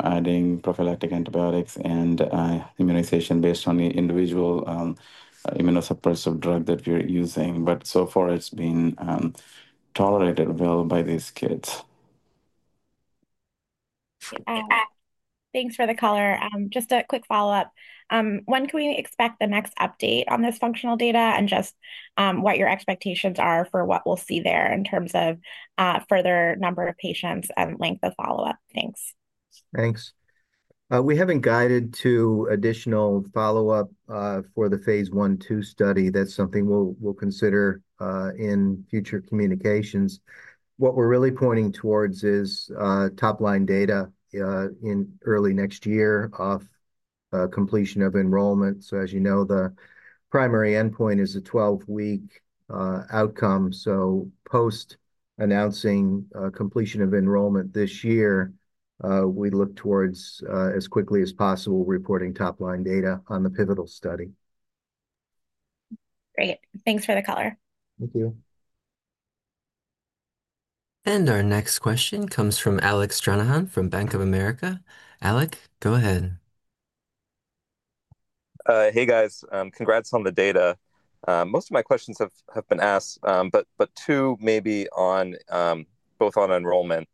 [SPEAKER 4] adding prophylactic antibiotics and immunization based on the individual immunosuppressive drug that we're using. So far, it's been tolerated well by these kids.
[SPEAKER 11] Thanks for the call. Just a quick follow-up. When can we expect the next update on this functional data and just what your expectations are for what we'll see there in terms of further number of patients and length of follow-up? Thanks.
[SPEAKER 1] Thanks. We haven't guided to additional follow-up for the phase I-II study. That's something we'll consider in future communications. What we're really pointing towards is top-line data in early next year of completion of enrollment. As you know, the primary endpoint is a 12-week outcome. Post-announcing completion of enrollment this year, we look towards, as quickly as possible, reporting top-line data on the pivotal study.
[SPEAKER 11] Great. Thanks for the caller.
[SPEAKER 1] Thank you.
[SPEAKER 5] Our next question comes from Alex Jonahan from Bank of America. Alex, go ahead. Hey, guys. Congrats on the data. Most of my questions have been asked, but two maybe both on enrollment.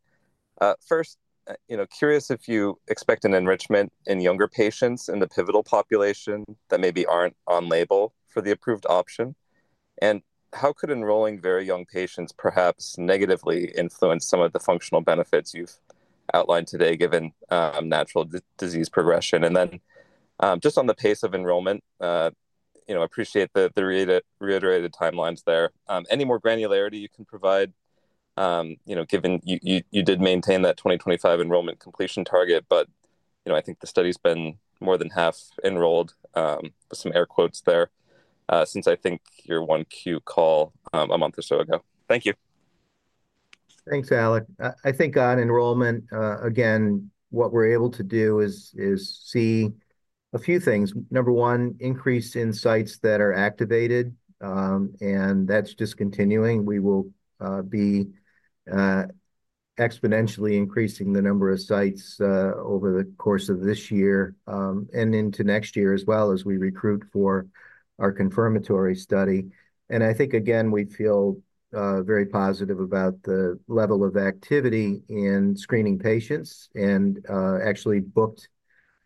[SPEAKER 5] First, curious if you expect an enrichment in younger patients in the pivotal population that maybe aren't on label for the approved option. How could enrolling very young patients perhaps negatively influence some of the functional benefits you've outlined today given natural disease progression? Just on the pace of enrollment, I appreciate the reiterated timelines there. Any more granularity you can provide given you did maintain that 2025 enrollment completion target, but I think the study's been more than half enrolled with some air quotes there since I think your one Q call a month or so ago. Thank you.
[SPEAKER 1] Thanks, Alex. I think on enrollment, again, what we're able to do is see a few things. Number one, increase in sites that are activated, and that's just continuing. We will be exponentially increasing the number of sites over the course of this year and into next year as we recruit for our confirmatory study. I think, again, we feel very positive about the level of activity in screening patients and actually booked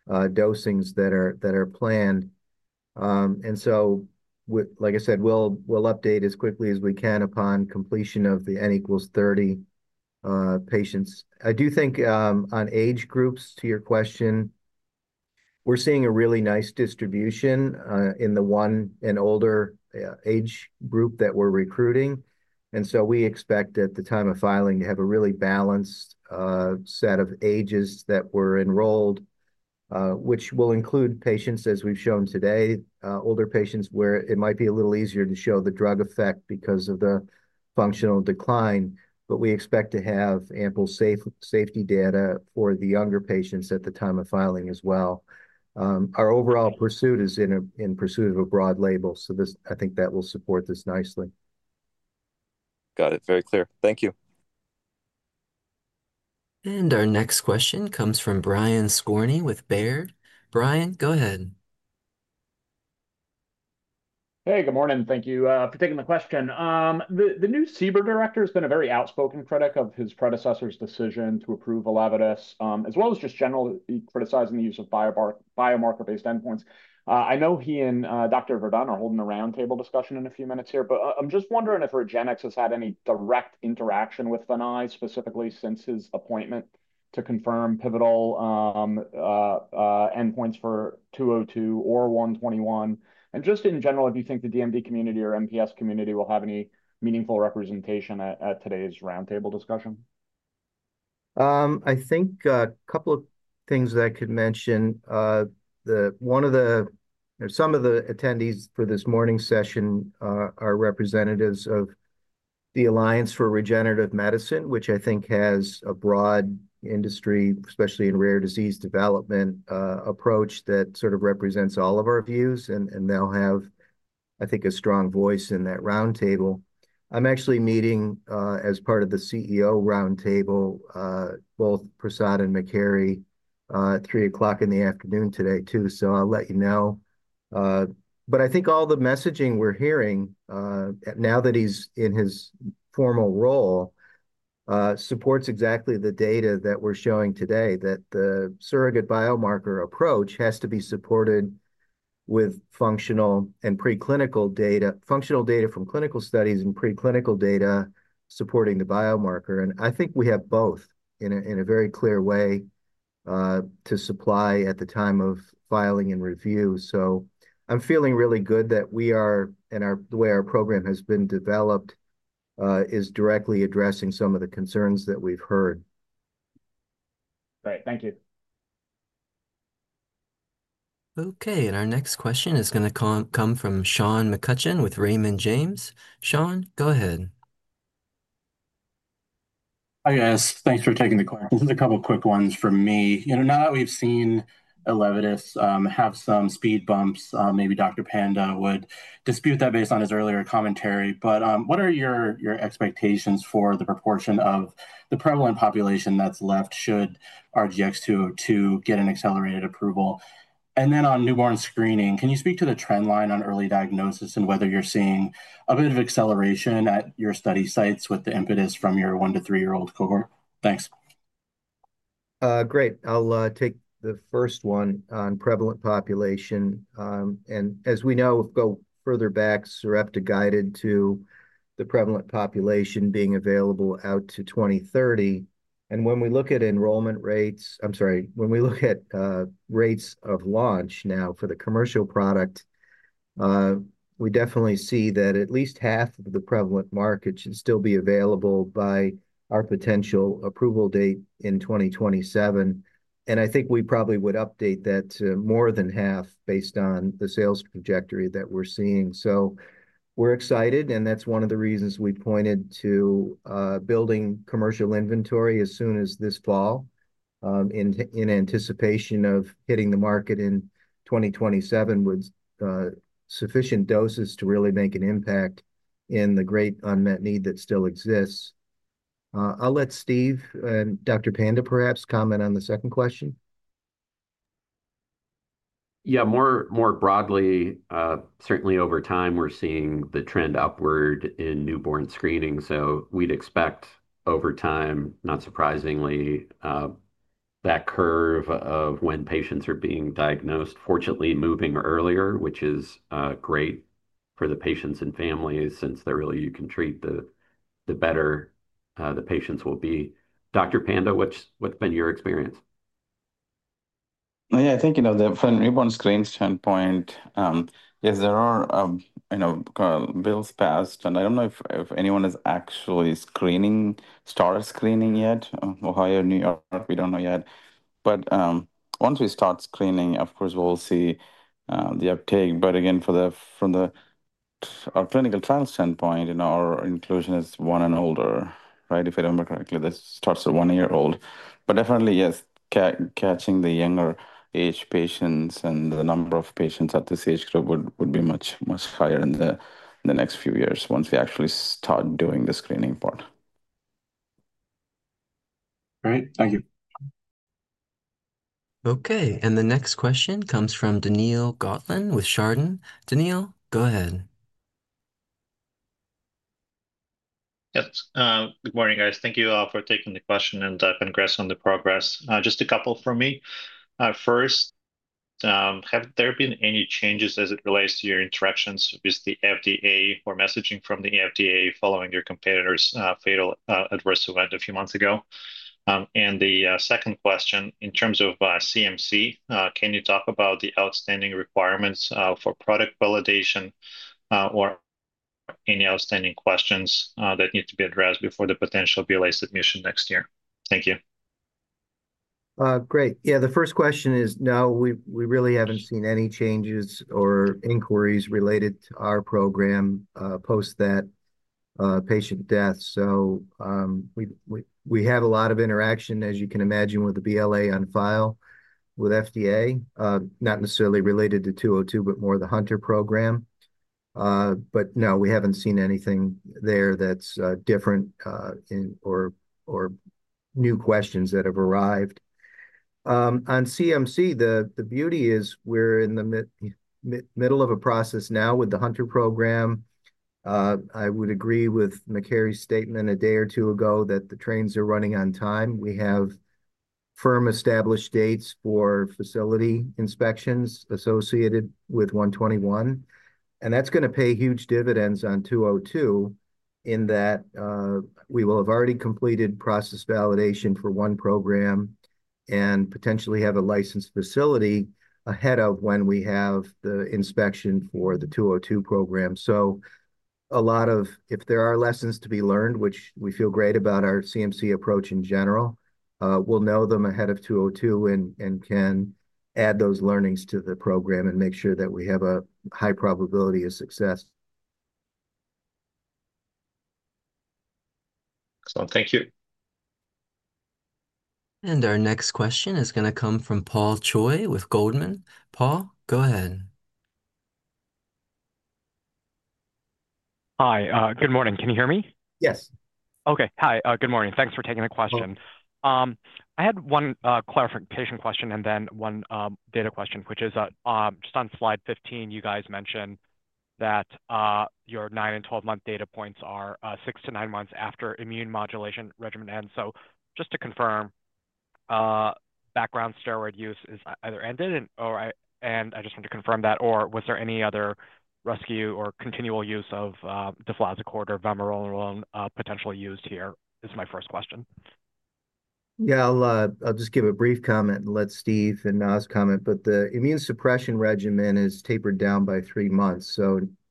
[SPEAKER 1] dosings that are planned. Like I said, we'll update as quickly as we can upon completion of the N equals 30 patients. I do think on age groups, to your question, we're seeing a really nice distribution in the one and older age group that we're recruiting. We expect at the time of filing to have a really balanced set of ages that were enrolled, which will include patients, as we've shown today, older patients where it might be a little easier to show the drug effect because of the functional decline. We expect to have ample safety data for the younger patients at the time of filing as well. Our overall pursuit is in pursuit of a broad label. I think that will support this nicely.
[SPEAKER 3] Got it. Very clear. Thank you.
[SPEAKER 5] Our next question comes from Brian Scorney with Baird. Brian, go ahead. Hey, good morning. Thank you for taking the question. The new CBER director has been a very outspoken critic of his predecessor's decision to approve Elevidys, as well as just generally criticizing the use of biomarker-based endpoints. I know he and Dr. Verdun are holding a roundtable discussion in a few minutes here, but I'm just wondering if REGENXBIO has had any direct interaction with Dr. Vannai, specifically since his appointment to confirm pivotal endpoints for 202 or 121. And just in general, if you think the DMD community or MPS community will have any meaningful representation at today's roundtable discussion.
[SPEAKER 1] I think a couple of things that I could mention. Some of the attendees for this morning session are representatives of the Alliance for Regenerative Medicine, which I think has a broad industry, especially in rare disease development approach that sort of represents all of our views. They will have, I think, a strong voice in that roundtable. I'm actually meeting as part of the CEO roundtable, both Prasad and Mackerry, 3:00 P.M. in the afternoon today too. I will let you know. I think all the messaging we're hearing now that he's in his formal role supports exactly the data that we're showing today, that the surrogate biomarker approach has to be supported with functional and preclinical data, functional data from clinical studies and preclinical data supporting the biomarker. I think we have both in a very clear way to supply at the time of filing and review. I'm feeling really good that we are and the way our program has been developed is directly addressing some of the concerns that we've heard.
[SPEAKER 12] Great. Thank you.
[SPEAKER 5] Okay. Our next question is going to come from Sean McCutcheon with Raymond James. Sean, go ahead.
[SPEAKER 13] Hi, guys. Thanks for taking the question. Just a couple of quick ones for me. Now that we've seen Elevidys have some speed bumps, maybe Dr. Veerapandiyan, would dispute that based on his earlier commentary. What are your expectations for the proportion of the prevalent population that's left should RGX-202 get an accelerated approval? On newborn screening, can you speak to the trend line on early diagnosis and whether you're seeing a bit of acceleration at your study sites with the impetus from your one to three-year-old cohort? Thanks.
[SPEAKER 1] Great. I'll take the first one on prevalent population. As we know, if we go further back, Sarepta guided to the prevalent population being available out to 2030. When we look at enrollment rates, I'm sorry, when we look at rates of launch now for the commercial product, we definitely see that at least half of the prevalent market should still be available by our potential approval date in 2027. I think we probably would update that to more than half based on the sales trajectory that we're seeing. We are excited, and that's one of the reasons we pointed to building commercial inventory as soon as this fall in anticipation of hitting the market in 2027 with sufficient doses to really make an impact in the great unmet need that still exists. I'll let Steve and Dr. Veerapandiyan perhaps comment on the second question.
[SPEAKER 2] Yeah. More broadly, certainly over time, we're seeing the trend upward in newborn screening. We'd expect over time, not surprisingly, that curve of when patients are being diagnosed, fortunately, moving earlier, which is great for the patients and families since really you can treat, the better the patients will be. Dr. Veerapandiyan, what's been your experience?
[SPEAKER 4] Yeah, I think from a newborn screen standpoint, yes, there are bills passed. I don't know if anyone has actually started screening yet. Ohio, New York, we don't know yet. Once we start screening, of course, we'll see the uptake. Again, from our clinical trial standpoint, our inclusion is one and older, right? If I remember correctly, that starts at one year old. Definitely, yes, catching the younger age patients and the number of patients at this age group would be much higher in the next few years once we actually start doing the screening part.
[SPEAKER 13] All right. Thank you.
[SPEAKER 5] Okay. The next question comes from Danil Gotland with Shardon. Danil, go ahead.
[SPEAKER 14] Yes. Good morning, guys. Thank you all for taking the question and congrats on the progress. Just a couple for me. First, have there been any changes as it relates to your interactions with the FDA or messaging from the FDA following your competitor's fatal adverse event a few months ago? The second question, in terms of CMC, can you talk about the outstanding requirements for product validation or any outstanding questions that need to be addressed before the potential BLA submission next year? Thank you.
[SPEAKER 1] Great. Yeah, the first question is, no, we really haven't seen any changes or inquiries related to our program post that patient death. We have a lot of interaction, as you can imagine, with the BLA on file with FDA, not necessarily related to 202, but more the Hunter program. No, we haven't seen anything there that's different or new questions that have arrived. On CMC, the beauty is we're in the middle of a process now with the Hunter program. I would agree with Mackerry's statement a day or two ago that the trains are running on time. We have firm established dates for facility inspections associated with 121. That's going to pay huge dividends on 202 in that we will have already completed process validation for one program and potentially have a licensed facility ahead of when we have the inspection for the 202 program. A lot of if there are lessons to be learned, which we feel great about our CMC approach in general, we'll know them ahead of 202 and can add those learnings to the program and make sure that we have a high probability of success.
[SPEAKER 14] Excellent. Thank you.
[SPEAKER 5] Our next question is going to come from Paul Choi with Goldman. Paul, go ahead.
[SPEAKER 15] Hi. Good morning. Can you hear me?
[SPEAKER 1] Yes.
[SPEAKER 15] Okay. Hi. Good morning. Thanks for taking the question. I had one clarification question and then one data question, which is just on slide 15, you guys mentioned that your 9 and 12-month data points are 6-9 months after immune modulation regimen. And just to confirm, background steroid use has either ended, and I just want to confirm that, or was there any other rescue or continual use of Deflazacort or Vamorolone potentially used here? This is my first question.
[SPEAKER 1] Yeah, I'll just give a brief comment and let Steve and Naz comment. The immune suppression regimen is tapered down by three months.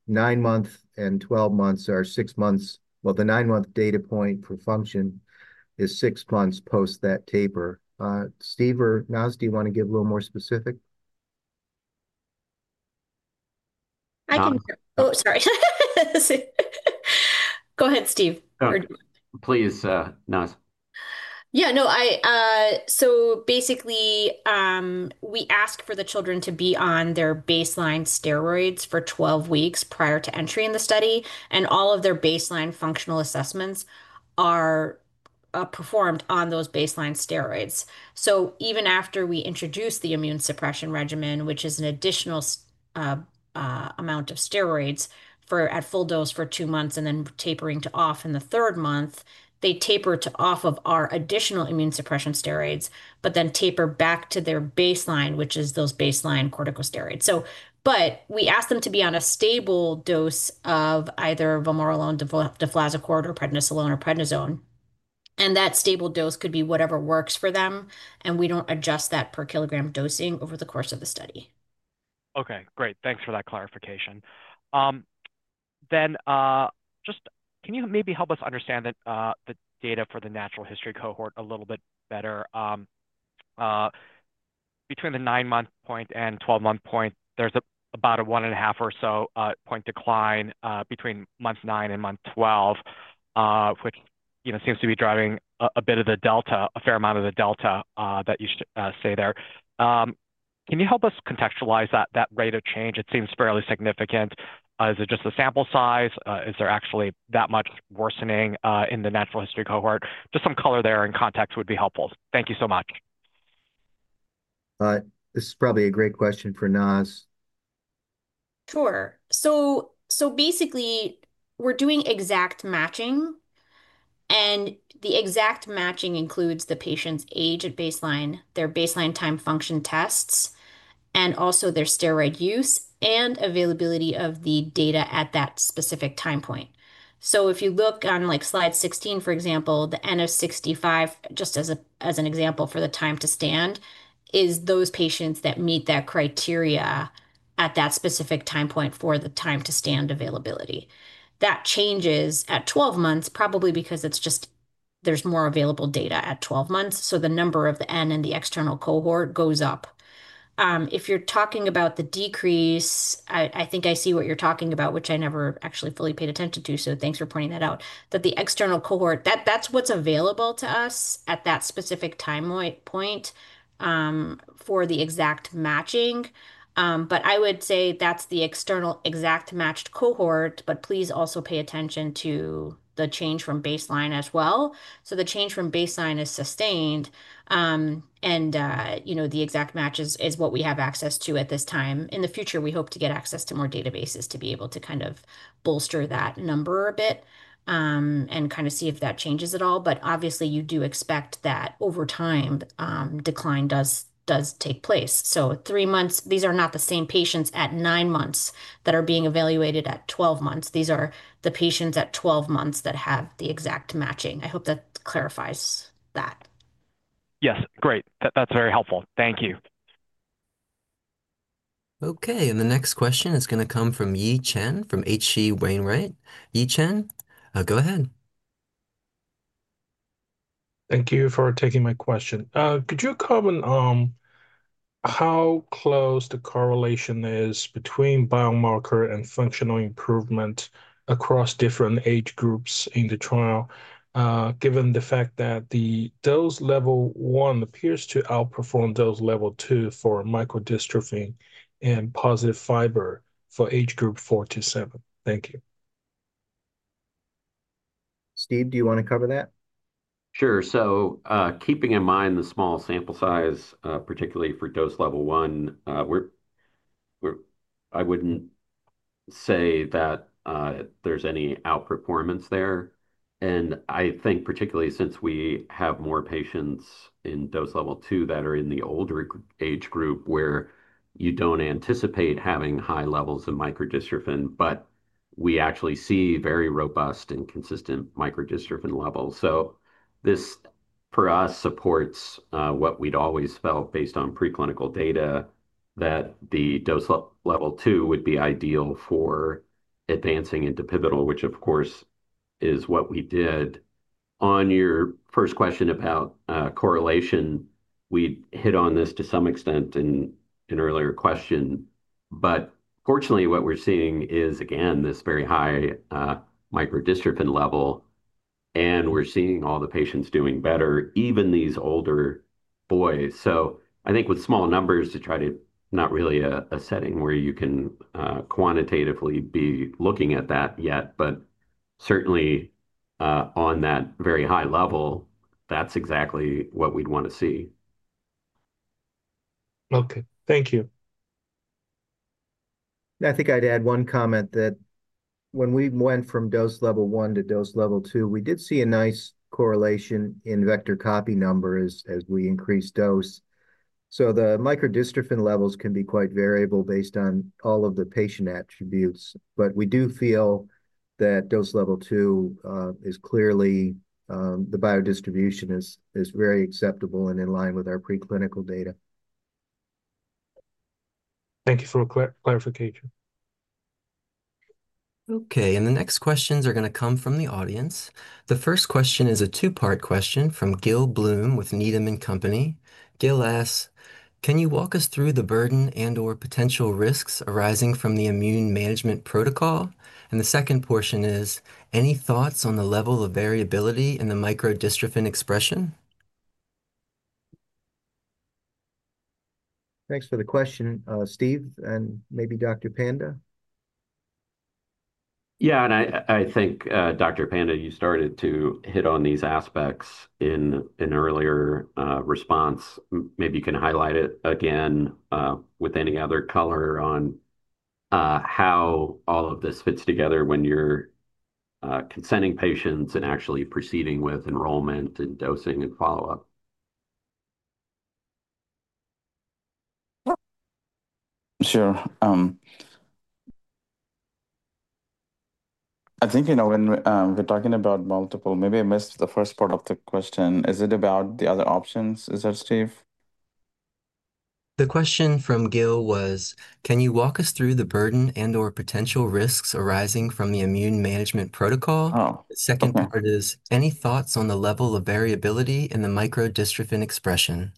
[SPEAKER 1] Nine months and twelve months are six months. The nine-month data point for function is six months post that taper. Steve or Naz, do you want to give a little more specific?
[SPEAKER 3] I can start. Oh, sorry. Go ahead, Steve.
[SPEAKER 2] Please, Naz.
[SPEAKER 3] Yeah. No, so basically, we ask for the children to be on their baseline steroids for 12 weeks prior to entering the study. All of their baseline functional assessments are performed on those baseline steroids. Even after we introduce the immune suppression regimen, which is an additional amount of steroids at full dose for two months and then tapering to off in the third month, they taper to off of our additional immune suppression steroids, but then taper back to their baseline, which is those baseline corticosteroids. We ask them to be on a stable dose of either Vamorolone, Deflazacort, or Prednisolone or Prednisone. That stable dose could be whatever works for them. We do not adjust that per kilogram dosing over the course of the study.
[SPEAKER 15] Okay. Great. Thanks for that clarification. Then just can you maybe help us understand the data for the natural history cohort a little bit better? Between the 9-month point and 12-month point, there's about a one-and-a-half or so point decline between month 9 and month 12, which seems to be driving a bit of the delta, a fair amount of the delta that you say there. Can you help us contextualize that rate of change? It seems fairly significant. Is it just the sample size? Is there actually that much worsening in the natural history cohort? Just some color there and context would be helpful. Thank you so much.
[SPEAKER 1] All right. This is probably a great question for Nas.
[SPEAKER 3] Sure. Basically, we're doing exact matching. The exact matching includes the patient's age at baseline, their baseline time function tests, and also their steroid use and availability of the data at that specific time point. If you look on slide 16, for example, the N of 65, just as an example for the time to stand, is those patients that meet that criteria at that specific time point for the time to stand availability. That changes at 12 months, probably because there's more available data at 12 months. The number of the N in the external cohort goes up. If you're talking about the decrease, I think I see what you're talking about, which I never actually fully paid attention to, so thanks for pointing that out, that the external cohort, that's what's available to us at that specific time point for the exact matching. I would say that's the external exact matched cohort, but please also pay attention to the change from baseline as well. The change from baseline is sustained. The exact match is what we have access to at this time. In the future, we hope to get access to more databases to be able to kind of bolster that number a bit and kind of see if that changes at all. Obviously, you do expect that over time, decline does take place. Three months, these are not the same patients at nine months that are being evaluated at 12 months. These are the patients at 12 months that have the exact matching. I hope that clarifies that.
[SPEAKER 15] Yes. Great. That's very helpful. Thank you.
[SPEAKER 5] Okay. The next question is going to come from Yi Chen from HC Wainwright. Yi Chen, go ahead.
[SPEAKER 16] Thank you for taking my question. Could you comment on how close the correlation is between biomarker and functional improvement across different age groups in the trial, given the fact that the dose level one appears to outperform dose level two for microdystrophin and positive fiber for age group four to seven? Thank you.
[SPEAKER 1] Steve, do you want to cover that?
[SPEAKER 2] Sure. Keeping in mind the small sample size, particularly for dose level one, I wouldn't say that there's any outperformance there. I think particularly since we have more patients in dose level two that are in the older age group where you don't anticipate having high levels of microdystrophin, we actually see very robust and consistent microdystrophin levels. This, for us, supports what we'd always felt based on preclinical data that dose level two would be ideal for advancing into pivotal, which, of course, is what we did. On your first question about correlation, we hit on this to some extent in an earlier question. Fortunately, what we're seeing is, again, this very high microdystrophin level. We're seeing all the patients doing better, even these older boys. I think with small numbers to try to not really a setting where you can quantitatively be looking at that yet, but certainly on that very high level, that's exactly what we'd want to see.
[SPEAKER 16] Okay. Thank you.
[SPEAKER 1] I think I'd add one comment that when we went from dose level one to dose level two, we did see a nice correlation in vector copy numbers as we increased dose. The microdystrophin levels can be quite variable based on all of the patient attributes. We do feel that dose level two is clearly the biodistribution is very acceptable and in line with our preclinical data.
[SPEAKER 16] Thank you for the clarification.
[SPEAKER 5] Okay. The next questions are going to come from the audience. The first question is a two-part question from Gil Bloom with Needham & Company. Gil asks, "Can you walk us through the burden and/or potential risks arising from the immune management protocol?" The second portion is, "Any thoughts on the level of variability in the microdystrophin expression?
[SPEAKER 1] Thanks for the question, Steve, and maybe Dr. Veerapandiyan.
[SPEAKER 2] Yeah. I think, Dr. Veerapandiyan, you started to hit on these aspects in an earlier response. Maybe you can highlight it again with any other color on how all of this fits together when you're consenting patients and actually proceeding with enrollment and dosing and follow-up.
[SPEAKER 4] Sure. I think when we're talking about multiple—maybe I missed the first part of the question. Is it about the other options? Is that Steve?
[SPEAKER 5] The question from Gil was, "Can you walk us through the burden and/or potential risks arising from the immune management protocol?" The second part is, "Any thoughts on the level of variability in the microdystrophin expression?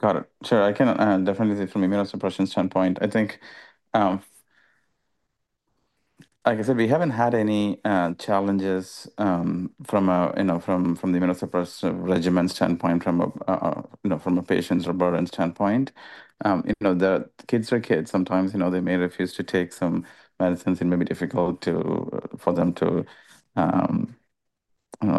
[SPEAKER 4] Got it. Sure. I can definitely say from the immunosuppression standpoint, I think, like I said, we haven't had any challenges from the immunosuppressive regimen standpoint, from a patient's or burden standpoint. The kids are kids. Sometimes they may refuse to take some medicines, and it may be difficult for them to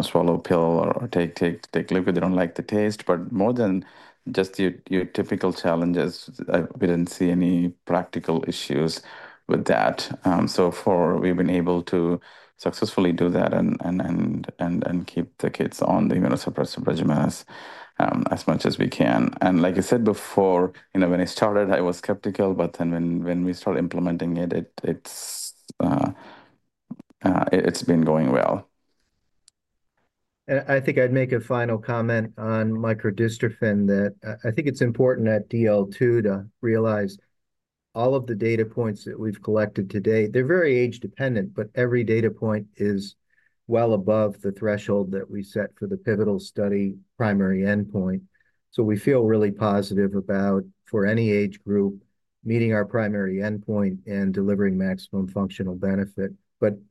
[SPEAKER 4] swallow a pill or take liquid. They don't like the taste. More than just your typical challenges, we didn't see any practical issues with that. So far, we've been able to successfully do that and keep the kids on the immunosuppressive regimen as much as we can. Like I said before, when I started, I was skeptical. When we started implementing it, it's been going well.
[SPEAKER 1] I think I'd make a final comment on microdystrophin that I think it's important at DL2 to realize all of the data points that we've collected today, they're very age-dependent, but every data point is well above the threshold that we set for the pivotal study primary endpoint. We feel really positive about, for any age group, meeting our primary endpoint and delivering maximum functional benefit.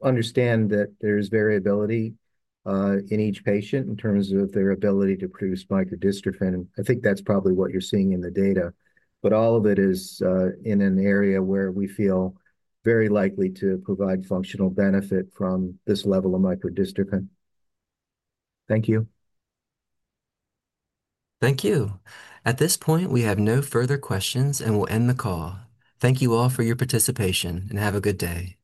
[SPEAKER 1] Understand that there is variability in each patient in terms of their ability to produce microdystrophin. I think that's probably what you're seeing in the data. All of it is in an area where we feel very likely to provide functional benefit from this level of microdystrophin. Thank you.
[SPEAKER 5] Thank you. At this point, we have no further questions and will end the call. Thank you all for your participation and have a good day. Goodbye.